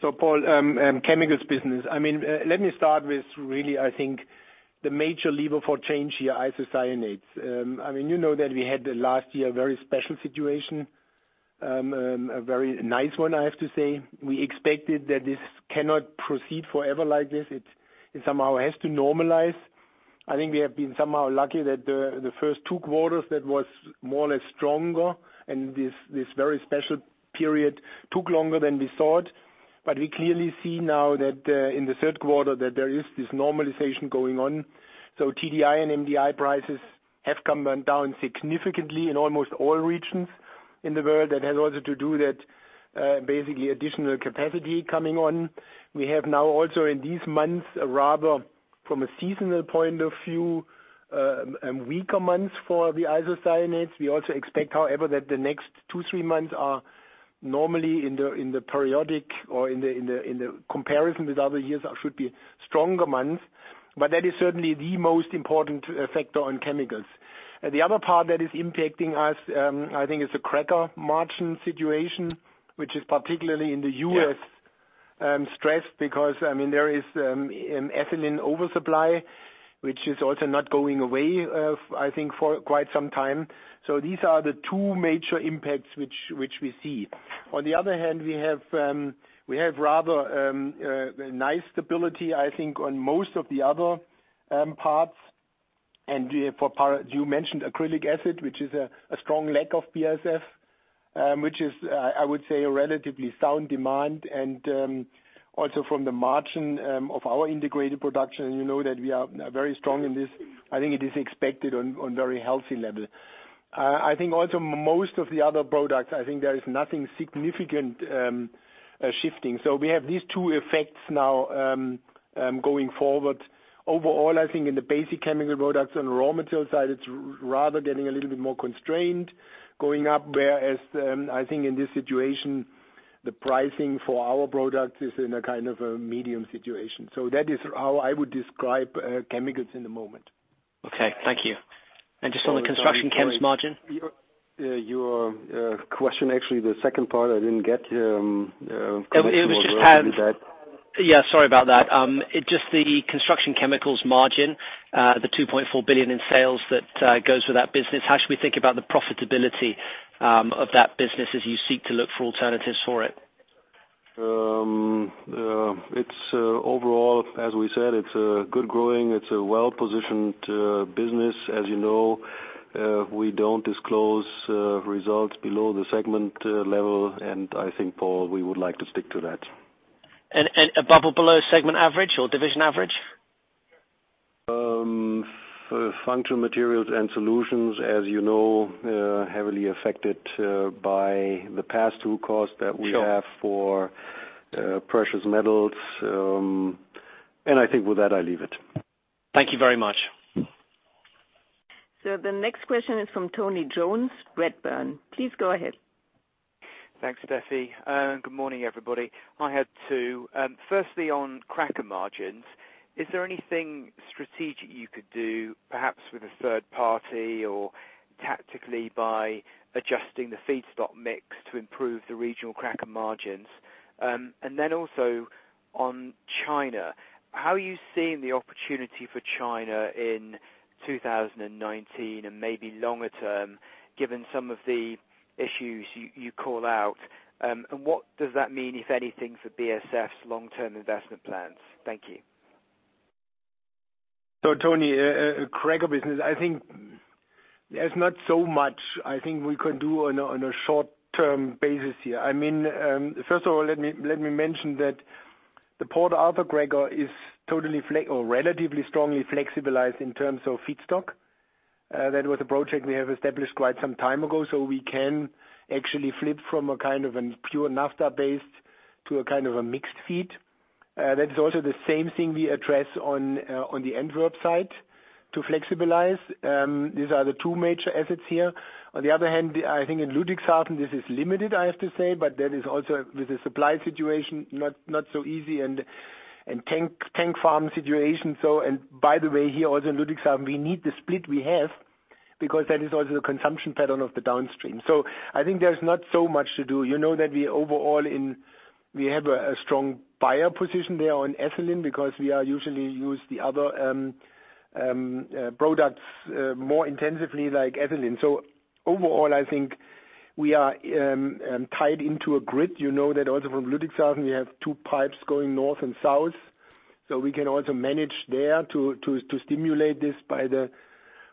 [SPEAKER 2] Paul, chemicals business. Let me start with the major lever for change here, isocyanates. You know that we had last year, a very special situation. A very nice one, I have to say. We expected that this cannot proceed forever like this. It somehow has to normalize. We have been somehow lucky that the first two quarters that was more or less stronger, and this very special period took longer than we thought. We clearly see now that in the third quarter that there is this normalization going on. TDI and MDI prices have come down significantly in almost all regions in the world. That has also to do that additional capacity coming on. We have now also in these months, rather from a seasonal point of view, weaker months for the isocyanates. The next two, three months are normally in the periodic or in the comparison with other years, should be stronger months. That is certainly the most important factor on chemicals. The other part that is impacting us is the cracker margin situation, which is particularly in the U.S. stressed because there is an ethylene oversupply, which is also not going away for quite some time. These are the two major impacts which we see. On the other hand, we have rather a nice stability on most of the other parts. You mentioned acrylic acid, which is a strong leg of BASF, which is, I would say a relatively sound demand and also from the margin of our integrated production, you know that we are very strong in this. It is expected on very healthy level. Also most of the other products, there is nothing significant shifting. We have these two effects now going forward. Overall, in the basic chemical products and raw material side, it's rather getting a little bit more constrained going up, whereas, in this situation, the pricing for our product is in a kind of a medium situation. That is how I would describe chemicals in the moment.
[SPEAKER 7] Okay. Thank you. Just on the Construction Chems margin.
[SPEAKER 2] Your question, actually, the second part I didn't get.
[SPEAKER 7] It was just, yeah, sorry about that. Just the Construction Chemicals margin, the 2.4 billion in sales that goes with that business. How should we think about the profitability of that business as you seek to look for alternatives for it?
[SPEAKER 3] Overall, as we said, it's a good growing, it's a well-positioned business. As you know, we don't disclose results below the segment level. I think, Paul, we would like to stick to that.
[SPEAKER 7] Above or below segment average or division average?
[SPEAKER 3] For Functional Materials & Solutions, as you know, heavily affected by the pass-through cost that we have for precious metals. I think with that, I leave it.
[SPEAKER 7] Thank you very much.
[SPEAKER 1] The next question is from Tony Jones, Redburn. Please go ahead.
[SPEAKER 8] Thanks, Stefanie. Good morning, everybody. I had two. Firstly, on cracker margins, is there anything strategic you could do, perhaps with a third party or tactically by adjusting the feedstock mix to improve the regional cracker margins? Then also on China, how are you seeing the opportunity for China in 2019 and maybe longer term, given some of the issues you call out? What does that mean, if anything, for BASF's long-term investment plans? Thank you.
[SPEAKER 2] Tony, cracker business, I think there's not so much we could do on a short-term basis here. First of all, let me mention that the Port Arthur cracker is totally or relatively strongly flexibilized in terms of feedstock. That was a project we have established quite some time ago, so we can actually flip from a kind of a pure naphtha-based to a kind of a mixed feed. That is also the same thing we address on the Antwerp side to flexibilize. These are the two major assets here. On the other hand, I think in Ludwigshafen, this is limited, I have to say, but that is also with the supply situation, not so easy and tank farm situation. By the way, here also in Ludwigshafen, we need the split we have because that is also the consumption pattern of the downstream. I think there's not so much to do. You know that we have a strong buyer position there on ethylene because we usually use the other products more intensively like ethylene. Overall, I think we are tied into a grid. You know that also from Ludwigshafen, we have two pipes going north and south, so we can also manage there to stimulate this by the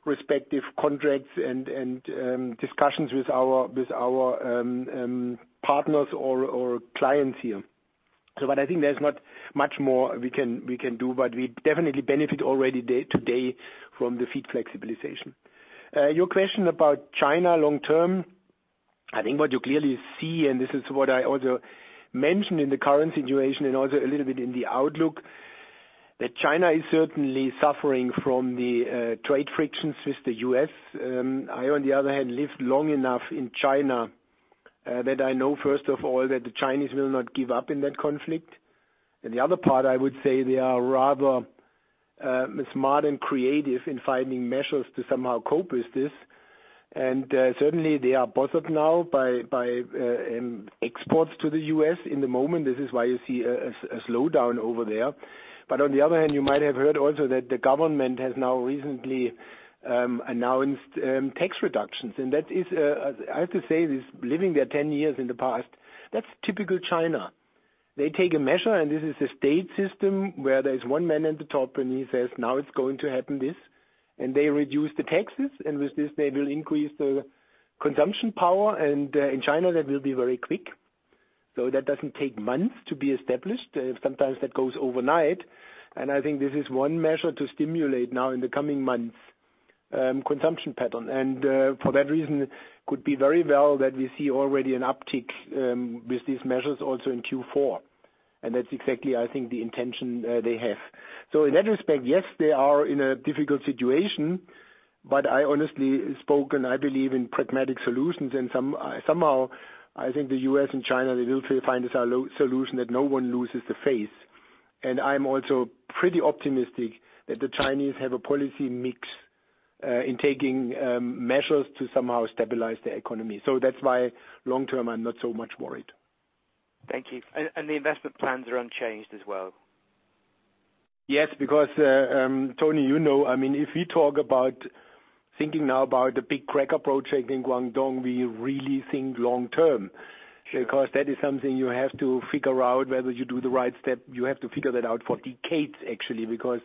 [SPEAKER 2] respective contracts and discussions with our partners or clients here. I think there's not much more we can do, but we definitely benefit already today from the feed flexibilization. Your question about China long-term, I think what you clearly see, and this is what I also mentioned in the current situation and also a little bit in the outlook, that China is certainly suffering from the trade frictions with the U.S. I, on the other hand, lived long enough in China that I know, first of all, that the Chinese will not give up in that conflict. The other part, I would say they are rather smart and creative in finding measures to somehow cope with this. Certainly, they are bothered now by exports to the U.S. in the moment. This is why you see a slowdown over there. On the other hand, you might have heard also that the government has now recently announced tax reductions. I have to say this, living there 10 years in the past, that's typical China. They take a measure, this is a state system where there's one man at the top and he says, "Now it's going to happen this," they reduce the taxes, with this they will increase the consumption power, in China, that will be very quick. That doesn't take months to be established. Sometimes that goes overnight. I think this is one measure to stimulate now in the coming months, consumption pattern. For that reason, could be very well that we see already an uptick with these measures also in Q4. That's exactly, I think, the intention they have. In that respect, yes, they are in a difficult situation, but I honestly spoken, I believe in pragmatic solutions and somehow I think the U.S. and China, they will find a solution that no one loses the face. I'm also pretty optimistic that the Chinese have a policy mix, in taking measures to somehow stabilize their economy. That's why long-term, I'm not so much worried.
[SPEAKER 8] Thank you. The investment plans are unchanged as well?
[SPEAKER 2] Yes, because, Tony, you know, if we talk about thinking now about the big cracker project in Guangdong, we really think long-term.
[SPEAKER 8] Sure.
[SPEAKER 2] That is something you have to figure out whether you do the right step. You have to figure that out for decades actually, because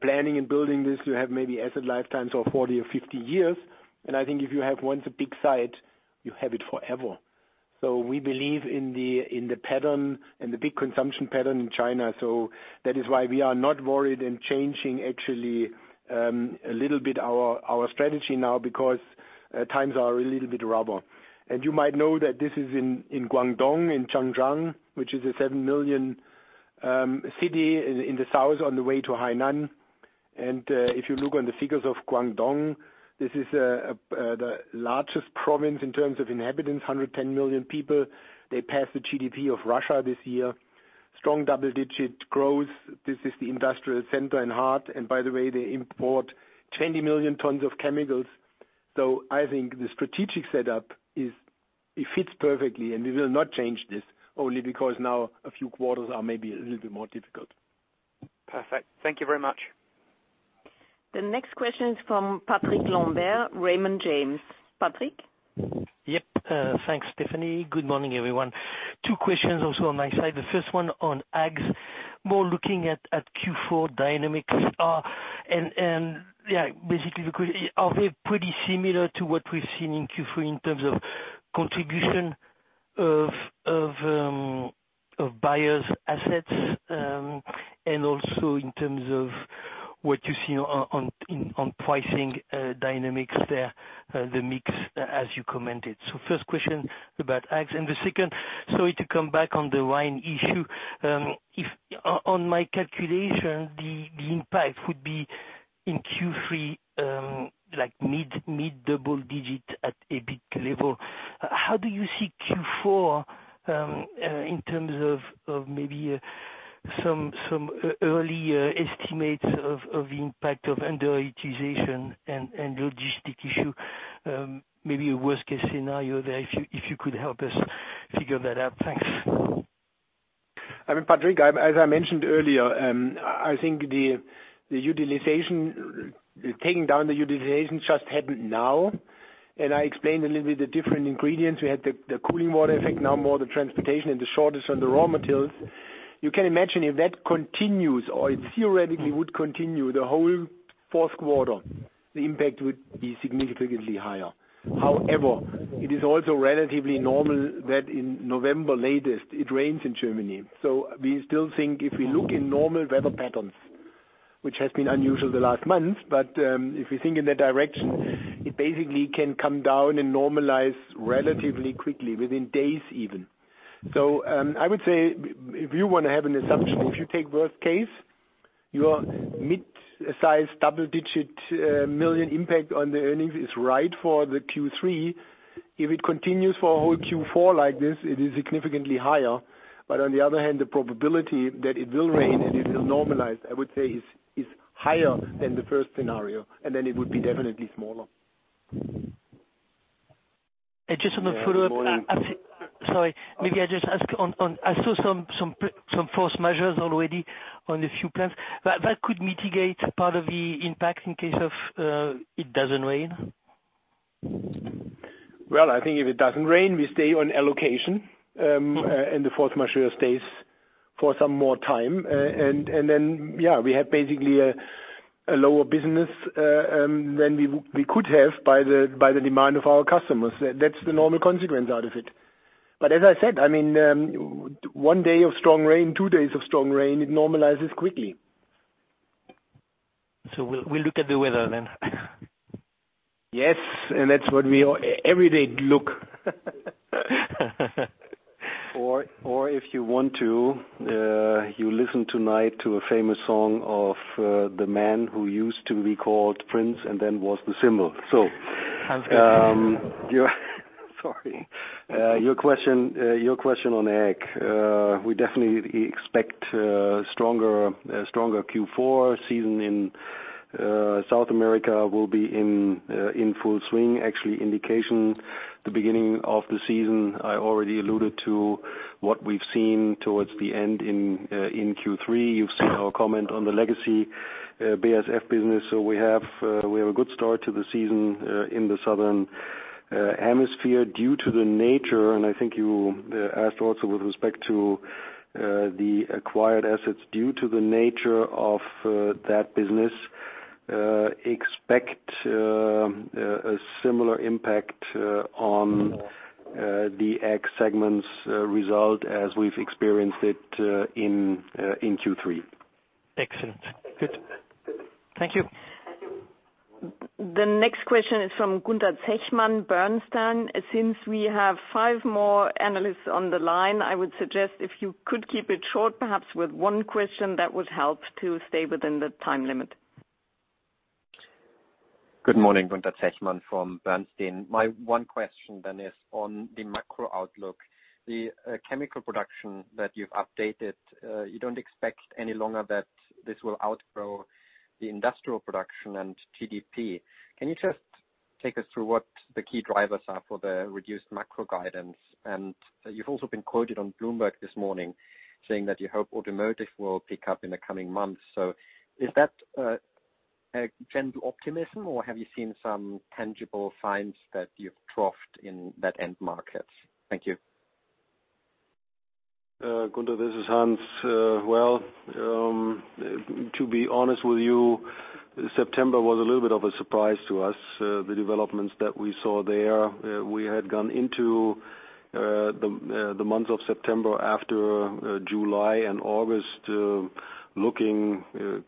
[SPEAKER 2] planning and building this, you have maybe asset lifetimes of 40 or 50 years, and I think if you have once a big site, you have it forever. We believe in the pattern and the big consumption pattern in China, that is why we are not worried in changing actually, a little bit our strategy now because times are a little bit rougher. You might know that this is in Guangdong, in Zhanjiang, which is a 7 million city in the south on the way to Hainan. If you look on the figures of Guangdong, this is the largest province in terms of inhabitants, 110 million people. They passed the GDP of Russia this year. Strong double-digit growth. This is the industrial center and heart, by the way, they import 20 million tons of chemicals. I think the strategic setup fits perfectly, and we will not change this only because now a few quarters are maybe a little bit more difficult.
[SPEAKER 8] Perfect. Thank you very much.
[SPEAKER 1] The next question is from Patrick Lambert, Raymond James. Patrick?
[SPEAKER 9] Yep. Thanks, Stefanie. Good morning, everyone. Two questions also on my side. The first one on ags, more looking at Q4 dynamics are, and basically are we pretty similar to what we've seen in Q3 in terms of contribution of Bayer's assets, and also in terms of what you see on pricing dynamics there, the mix as you commented. First question about ags. The second, sorry to come back on the Rhine issue. On my calculation, the impact would be in Q3, like mid double digit at a big level. How do you see Q4, in terms of maybe some early estimates of the impact of underutilization and logistics issue, maybe a worst-case scenario there, if you could help us figure that out. Thanks.
[SPEAKER 2] Patrick, as I mentioned earlier, I think the taking down the utilization just happened now. I explained a little bit the different ingredients. We had the cooling water effect, now more the transportation and the shortage on the raw materials. You can imagine if that continues or it theoretically would continue the whole fourth quarter, the impact would be significantly higher. It is also relatively normal that in November latest it rains in Germany. We still think if we look in normal weather patterns, which has been unusual the last months, but if we think in that direction, it basically can come down and normalize relatively quickly, within days even. I would say if you want to have an assumption, if you take worst case, your mid-size double-digit million impact on the earnings is right for the Q3. If it continues for a whole Q4 like this, it is significantly higher. On the other hand, the probability that it will rain and it will normalize, I would say is higher than the first scenario, then it would be definitely smaller.
[SPEAKER 9] Just on a follow-up.
[SPEAKER 2] Yeah, good morning.
[SPEAKER 9] Sorry, maybe I just ask on, I saw some force majeure already on a few plants. That could mitigate part of the impact in case of it doesn't rain?
[SPEAKER 2] Well, I think if it doesn't rain, we stay on allocation, and the force majeure stays for some more time. yeah, we have basically a A lower business than we could have by the demand of our customers. That's the normal consequence out of it. As I said, one day of strong rain, two days of strong rain, it normalizes quickly.
[SPEAKER 9] We'll look at the weather then.
[SPEAKER 2] Yes. That's what we every day look.
[SPEAKER 3] If you want to, you listen tonight to a famous song of the man who used to be called Prince and then was The Symbol.
[SPEAKER 9] Sounds good.
[SPEAKER 3] Sorry. Your question on Ag. We definitely expect a stronger Q4 season in South America will be in full swing. Indication the beginning of the season, I already alluded to what we've seen towards the end in Q3. You've seen our comment on the legacy BASF business. We have a good start to the season in the southern hemisphere due to the nature, and I think you asked also with respect to the acquired assets, due to the nature of that business, expect a similar impact on the Ag segment's result as we've experienced it in Q3.
[SPEAKER 9] Excellent. Good. Thank you.
[SPEAKER 1] The next question is from Gunther Zechmann, Bernstein. Since we have 5 more analysts on the line, I would suggest if you could keep it short, perhaps with 1 question that would help to stay within the time limit.
[SPEAKER 10] Good morning, Gunther Zechmann from Bernstein. My 1 question is on the macro outlook. The chemical production that you've updated, you don't expect any longer that this will outgrow the industrial production and GDP. Can you just take us through what the key drivers are for the reduced macro guidance? You've also been quoted on Bloomberg this morning saying that you hope automotive will pick up in the coming months. Is that a general optimism or have you seen some tangible signs that you've troughed in that end market? Thank you.
[SPEAKER 3] Gunther, this is Hans. To be honest with you, September was a little bit of a surprise to us. The developments that we saw there, we had gone into the month of September after July and August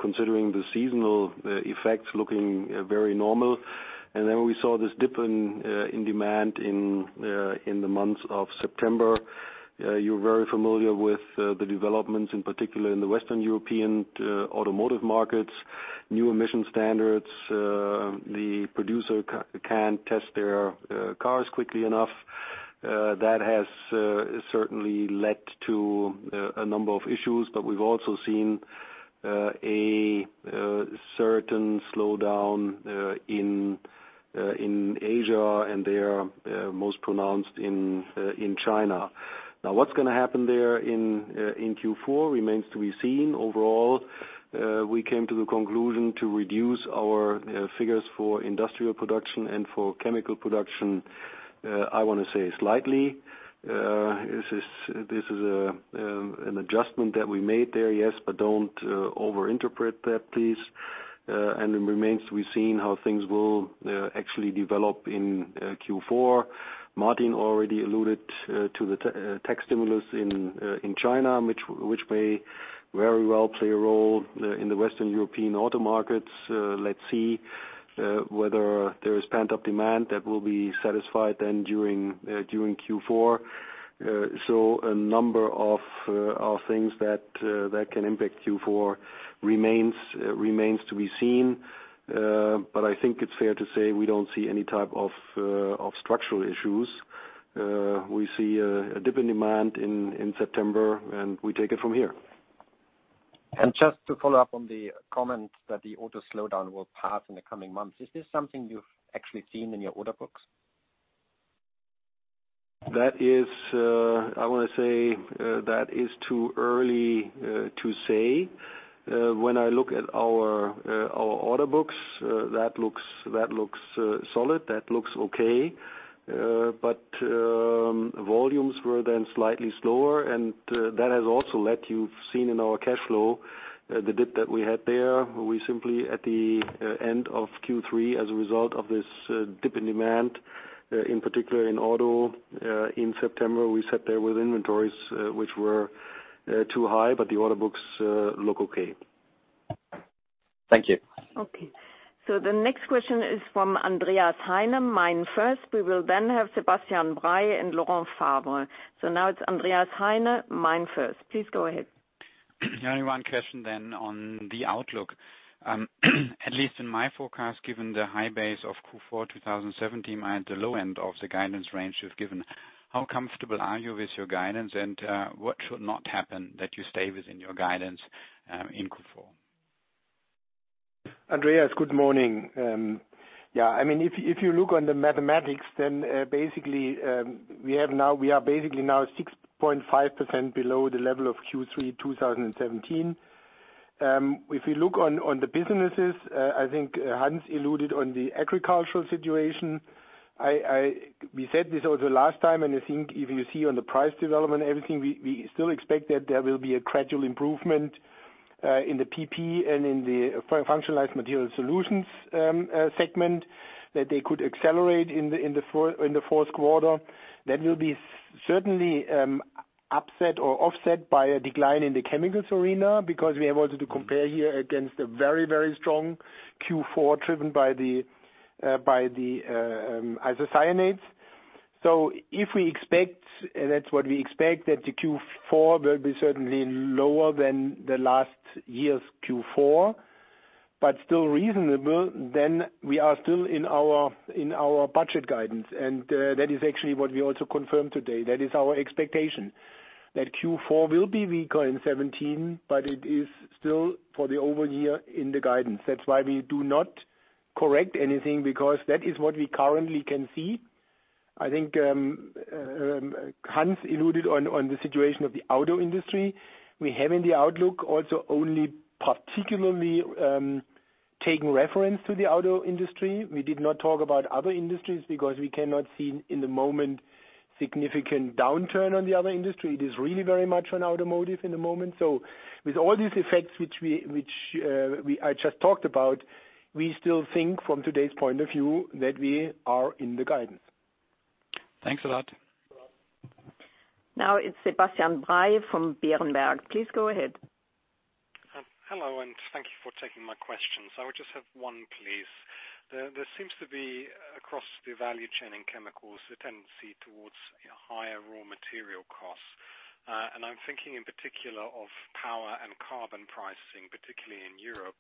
[SPEAKER 3] considering the seasonal effects looking very normal. We saw this dip in demand in the month of September. You're very familiar with the developments in particular in the Western European automotive markets, new emission standards. The producer can't test their cars quickly enough. That has certainly led to a number of issues. We've also seen a certain slowdown in Asia and they are most pronounced in China. What's going to happen there in Q4 remains to be seen. Overall, we came to the conclusion to reduce our figures for industrial production and for chemical production, I want to say slightly. This is an adjustment that we made there, yes, do not over interpret that, please. It remains to be seen how things will actually develop in Q4. Martin already alluded to the tech stimulus in China, which may very well play a role in the Western European auto markets. Let's see whether there is pent up demand that will be satisfied then during Q4. A number of things that can impact Q4 remains to be seen. I think it is fair to say we do not see any type of structural issues. We see a dip in demand in September and we take it from here.
[SPEAKER 10] Just to follow up on the comment that the auto slowdown will pass in the coming months, is this something you have actually seen in your order books?
[SPEAKER 3] I want to say that is too early to say. When I look at our order books, that looks solid, that looks okay. Volumes were then slightly slower and that has also let you've seen in our cash flow, the dip that we had there. We simply at the end of Q3 as a result of this dip in demand, in particular in auto in September, we sat there with inventories which were too high. The order books look okay.
[SPEAKER 10] Thank you.
[SPEAKER 1] Okay. The next question is from Andreas Heine, MainFirst. We will then have Sebastian Bray and Laurent Favre. Now it's Andreas Heine, MainFirst. Please go ahead.
[SPEAKER 11] Only one question on the outlook. At least in my forecast given the high base of Q4 2017 and the low end of the guidance range you've given, how comfortable are you with your guidance and what should not happen that you stay within your guidance in Q4?
[SPEAKER 2] Andreas, good morning. If you look on the mathematics, we are basically now 6.5% below the level of Q3 2017. If you look on the businesses, I think Hans alluded on the agricultural situation. We said this also last time, and I think if you see on the price development everything, we still expect that there will be a gradual improvement In the PP and in the functionalized material solutions segment that they could accelerate in the fourth quarter. That will be certainly upset or offset by a decline in the chemicals arena, because we have also to compare here against a very strong Q4 driven by the isocyanates. If we expect, that's what we expect, that the Q4 will be certainly lower than the last year's Q4, but still reasonable, we are still in our budget guidance. That is actually what we also confirmed today. That is our expectation, that Q4 will be weaker in 2017, but it is still for the over year in the guidance. That's why we do not correct anything, because that is what we currently can see. I think Hans alluded on the situation of the auto industry. We have in the outlook also only particularly taken reference to the auto industry. We did not talk about other industries because we cannot see in the moment significant downturn on the other industry. It is really very much on automotive in the moment. With all these effects, which I just talked about, we still think from today's point of view that we are in the guidance.
[SPEAKER 11] Thanks a lot.
[SPEAKER 1] Now it's Sebastian Bray from Berenberg. Please go ahead.
[SPEAKER 12] Hello, thank you for taking my questions. I would just have one, please. There seems to be, across the value chain in chemicals, a tendency towards higher raw material costs. I'm thinking in particular of power and carbon pricing, particularly in Europe.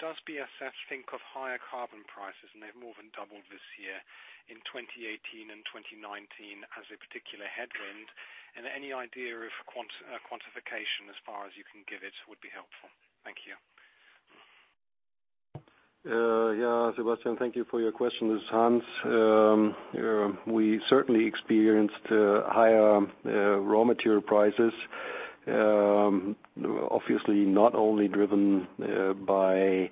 [SPEAKER 12] Does BASF think of higher carbon prices, and they've more than doubled this year, in 2018 and 2019 as a particular headwind? Any idea of quantification as far as you can give it would be helpful. Thank you.
[SPEAKER 3] Sebastian, thank you for your question. This is Hans. We certainly experienced higher raw material prices. Obviously not only driven by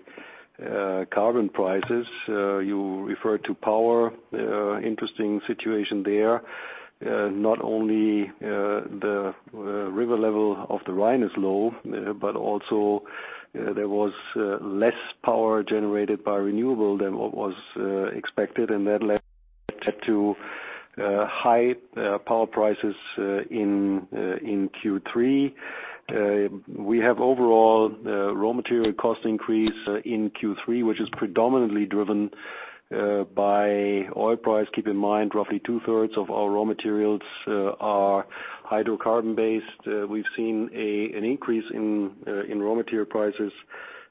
[SPEAKER 3] carbon prices. You referred to power. Interesting situation there. Not only the river level of the Rhine is low, also there was less power generated by renewable than what was expected, and that led to high power prices in Q3. We have overall raw material cost increase in Q3, which is predominantly driven by oil price. Keep in mind, roughly two-thirds of our raw materials are hydrocarbon-based. We've seen an increase in raw material prices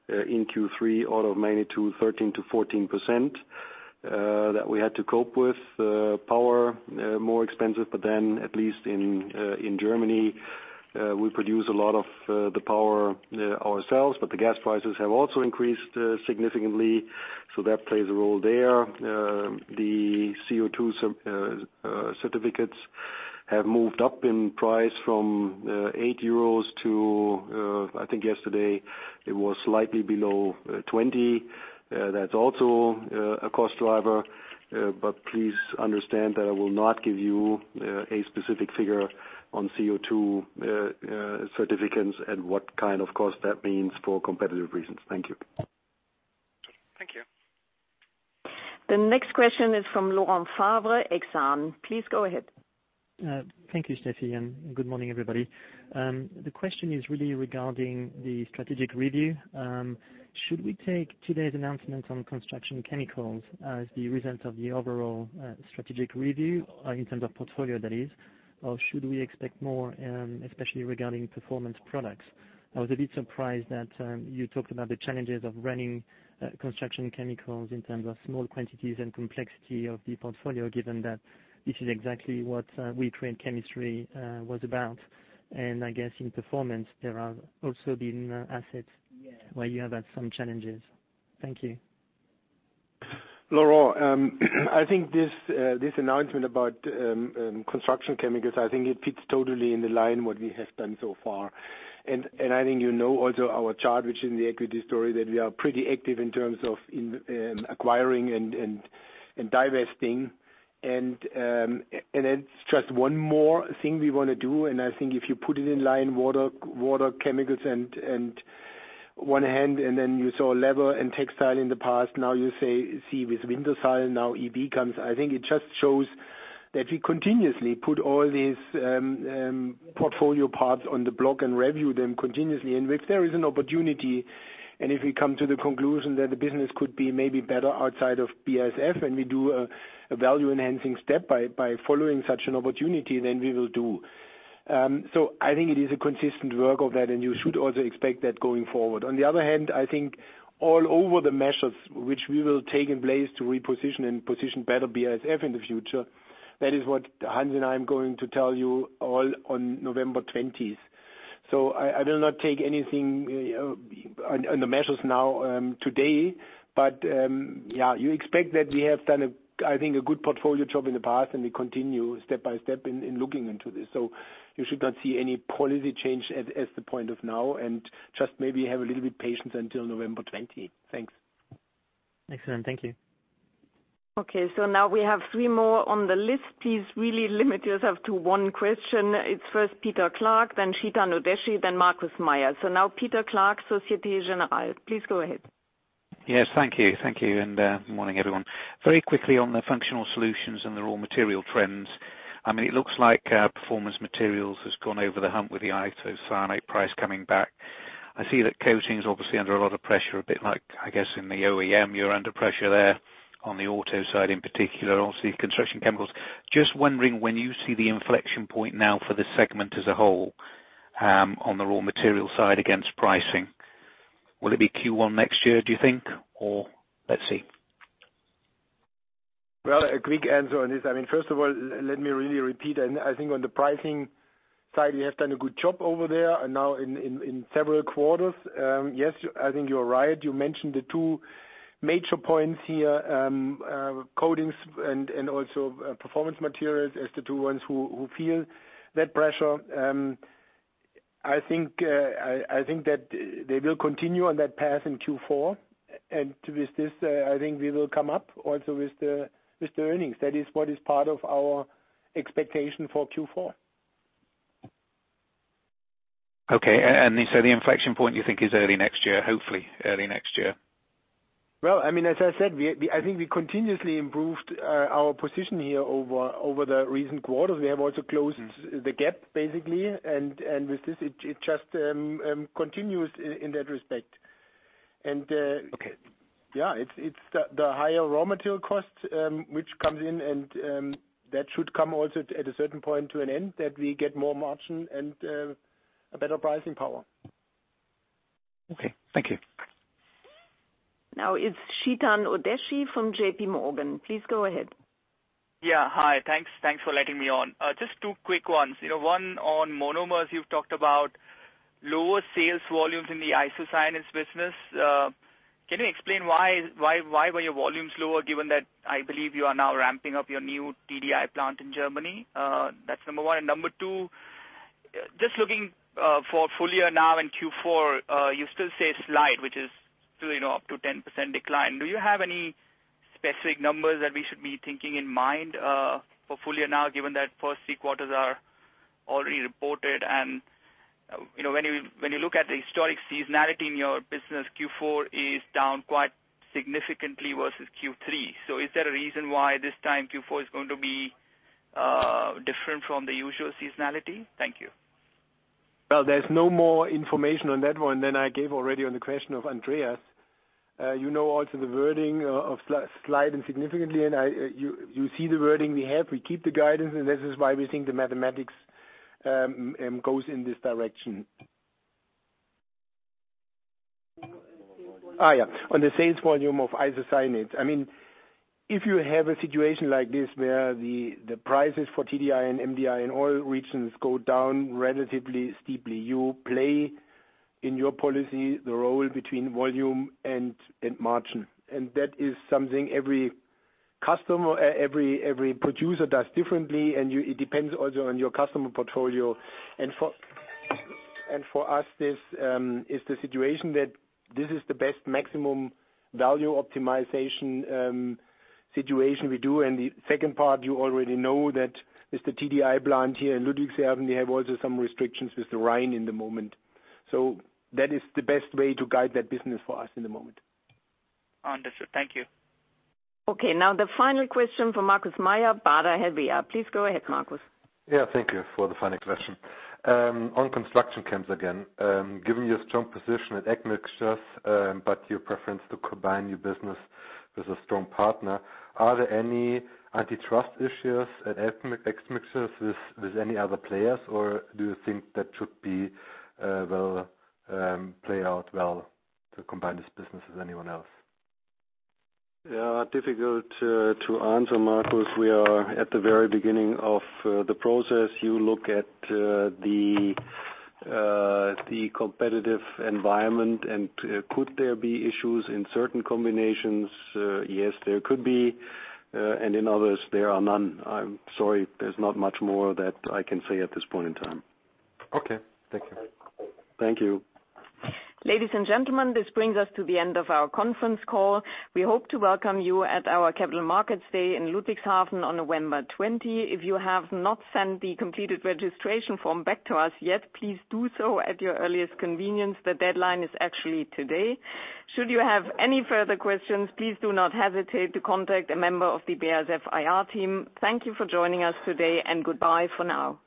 [SPEAKER 3] in Q3 out of magnitude 13%-14% that we had to cope with. Power, more expensive, at least in Germany, we produce a lot of the power ourselves, the gas prices have also increased significantly. That plays a role there.
[SPEAKER 2] The CO2 certificates have moved up in price from 8 euros to, I think yesterday it was slightly below 20. That's also a cost driver. Please understand that I will not give you a specific figure on CO2 certificates and what kind of cost that means for competitive reasons. Thank you.
[SPEAKER 12] Thank you.
[SPEAKER 1] The next question is from Laurent Favre, Exane. Please go ahead.
[SPEAKER 13] Thank you, Steffie, good morning, everybody. The question is really regarding the strategic review. Should we take today's announcement on Construction Chemicals as the result of the overall strategic review in terms of portfolio that is, or should we expect more, especially regarding Performance Products? I was a bit surprised that you talked about the challenges of running Construction Chemicals in terms of small quantities and complexity of the portfolio, given that this is exactly what We Create Chemistry was about. I guess in Performance Products, there have also been assets where you have had some challenges. Thank you.
[SPEAKER 2] Laurent. I think this announcement about Construction Chemicals, I think it fits totally in the line what we have done so far. I think you know also our chart, which in the equity story, that we are pretty active in terms of in acquiring and divesting. It's just one more thing we want to do. I think if you put it in line, water chemicals and one hand, and then you saw leather and textile in the past. Now you see with Wintershall, now EB comes. I think it just shows that we continuously put all these portfolio parts on the block and review them continuously. If there is an opportunity and if we come to the conclusion that the business could be maybe better outside of BASF, and we do a value-enhancing step by following such an opportunity, then we will do. I think it is a consistent work of that, and you should also expect that going forward. On the other hand, I think all over the measures which we will take in place to reposition and position better BASF in the future, that is what Hans and I am going to tell you all on November 20th. I will not take anything on the measures now today. You expect that we have done, I think, a good portfolio job in the past and we continue step by step in looking into this. You should not see any policy change as the point of now and just maybe have a little bit patience until November 20. Thanks.
[SPEAKER 13] Excellent. Thank you.
[SPEAKER 1] Okay. Now we have three more on the list. Please really limit yourself to one question. It's first Peter Clark, then Chetan Udeshi, then Markus Mayer. Now Peter Clark, Societe Generale, please go ahead.
[SPEAKER 14] Yes, thank you. Thank you, good morning, everyone. Very quickly on the Functional Solutions and the raw material trends. It looks like Performance Materials has gone over the hump with the isocyanate price coming back. I see that coatings obviously under a lot of pressure, a bit like, I guess, in the OEM, you're under pressure there on the auto side in particular, also Construction Chemicals. Just wondering when you see the inflection point now for the segment as a whole, on the raw material side against pricing. Will it be Q1 next year, do you think? Or let's see.
[SPEAKER 2] Well, a quick answer on this. First of all, let me really repeat. I think on the pricing side, we have done a good job over there now in several quarters. Yes, I think you're right. You mentioned the two major points here, coatings and also Performance Materials as the two ones who feel that pressure. I think that they will continue on that path in Q4. With this, I think we will come up also with the earnings. That is what is part of our expectation for Q4.
[SPEAKER 14] Okay. The inflection point, you think, is early next year, hopefully early next year?
[SPEAKER 2] Well, as I said, I think we continuously improved our position here over the recent quarters. We have also closed the gap, basically. With this, it just continues in that respect.
[SPEAKER 14] Okay
[SPEAKER 2] It's the higher raw material cost, which comes in and that should come also at a certain point to an end, that we get more margin and a better pricing power.
[SPEAKER 14] Okay. Thank you.
[SPEAKER 1] It's Chetan Udeshi from J.P. Morgan. Please go ahead.
[SPEAKER 15] Hi. Thanks for letting me on. Just two quick ones. One on monomers. You've talked about lower sales volumes in the isocyanates business. Can you explain why were your volumes lower given that I believe you are now ramping up your new TDI plant in Germany? That's number one. Number two, just looking for full year now in Q4, you still say slight, which is up to 10% decline. Do you have any specific numbers that we should be thinking in mind for full year now, given that first three quarters are already reported? When you look at the historic seasonality in your business, Q4 is down quite significantly versus Q3. Is there a reason why this time Q4 is going to be different from the usual seasonality? Thank you.
[SPEAKER 2] Well, there's no more information on that one than I gave already on the question of Andreas. You know also the wording of slight and significantly, and you see the wording we have. We keep the guidance, and this is why we think the mathematics goes in this direction. On the sales volume of isocyanates. If you have a situation like this where the prices for TDI and MDI in all regions go down relatively steeply, you play in your policy the role between volume and margin. That is something every producer does differently, and it depends also on your customer portfolio. For us, this is the situation that this is the best maximum value optimization situation we do, and the second part, you already know that is the TDI plant here in Ludwigshafen. We have also some restrictions with the Rhine at the moment. That is the best way to guide that business for us at the moment.
[SPEAKER 15] Understood. Thank you.
[SPEAKER 1] Okay. Now the final question from Markus Mayer, Baader Helvea. Please go ahead, Markus.
[SPEAKER 16] Thank you for the final question. On Construction Chem again. Given your strong position at admixtures, but your preference to combine your business with a strong partner, are there any antitrust issues at admixtures with any other players, or do you think that should play out well to combine this business with anyone else?
[SPEAKER 2] Difficult to answer, Markus. We are at the very beginning of the process. You look at the competitive environment and could there be issues in certain combinations? Yes, there could be. In others, there are none. I'm sorry. There's not much more that I can say at this point in time.
[SPEAKER 16] Okay. Thank you.
[SPEAKER 2] Thank you.
[SPEAKER 1] Ladies and gentlemen, this brings us to the end of our conference call. We hope to welcome you at our Capital Markets Day in Ludwigshafen on November 20. If you have not sent the completed registration form back to us yet, please do so at your earliest convenience. The deadline is actually today. Should you have any further questions, please do not hesitate to contact a member of the BASF IR team. Thank you for joining us today, and goodbye for now.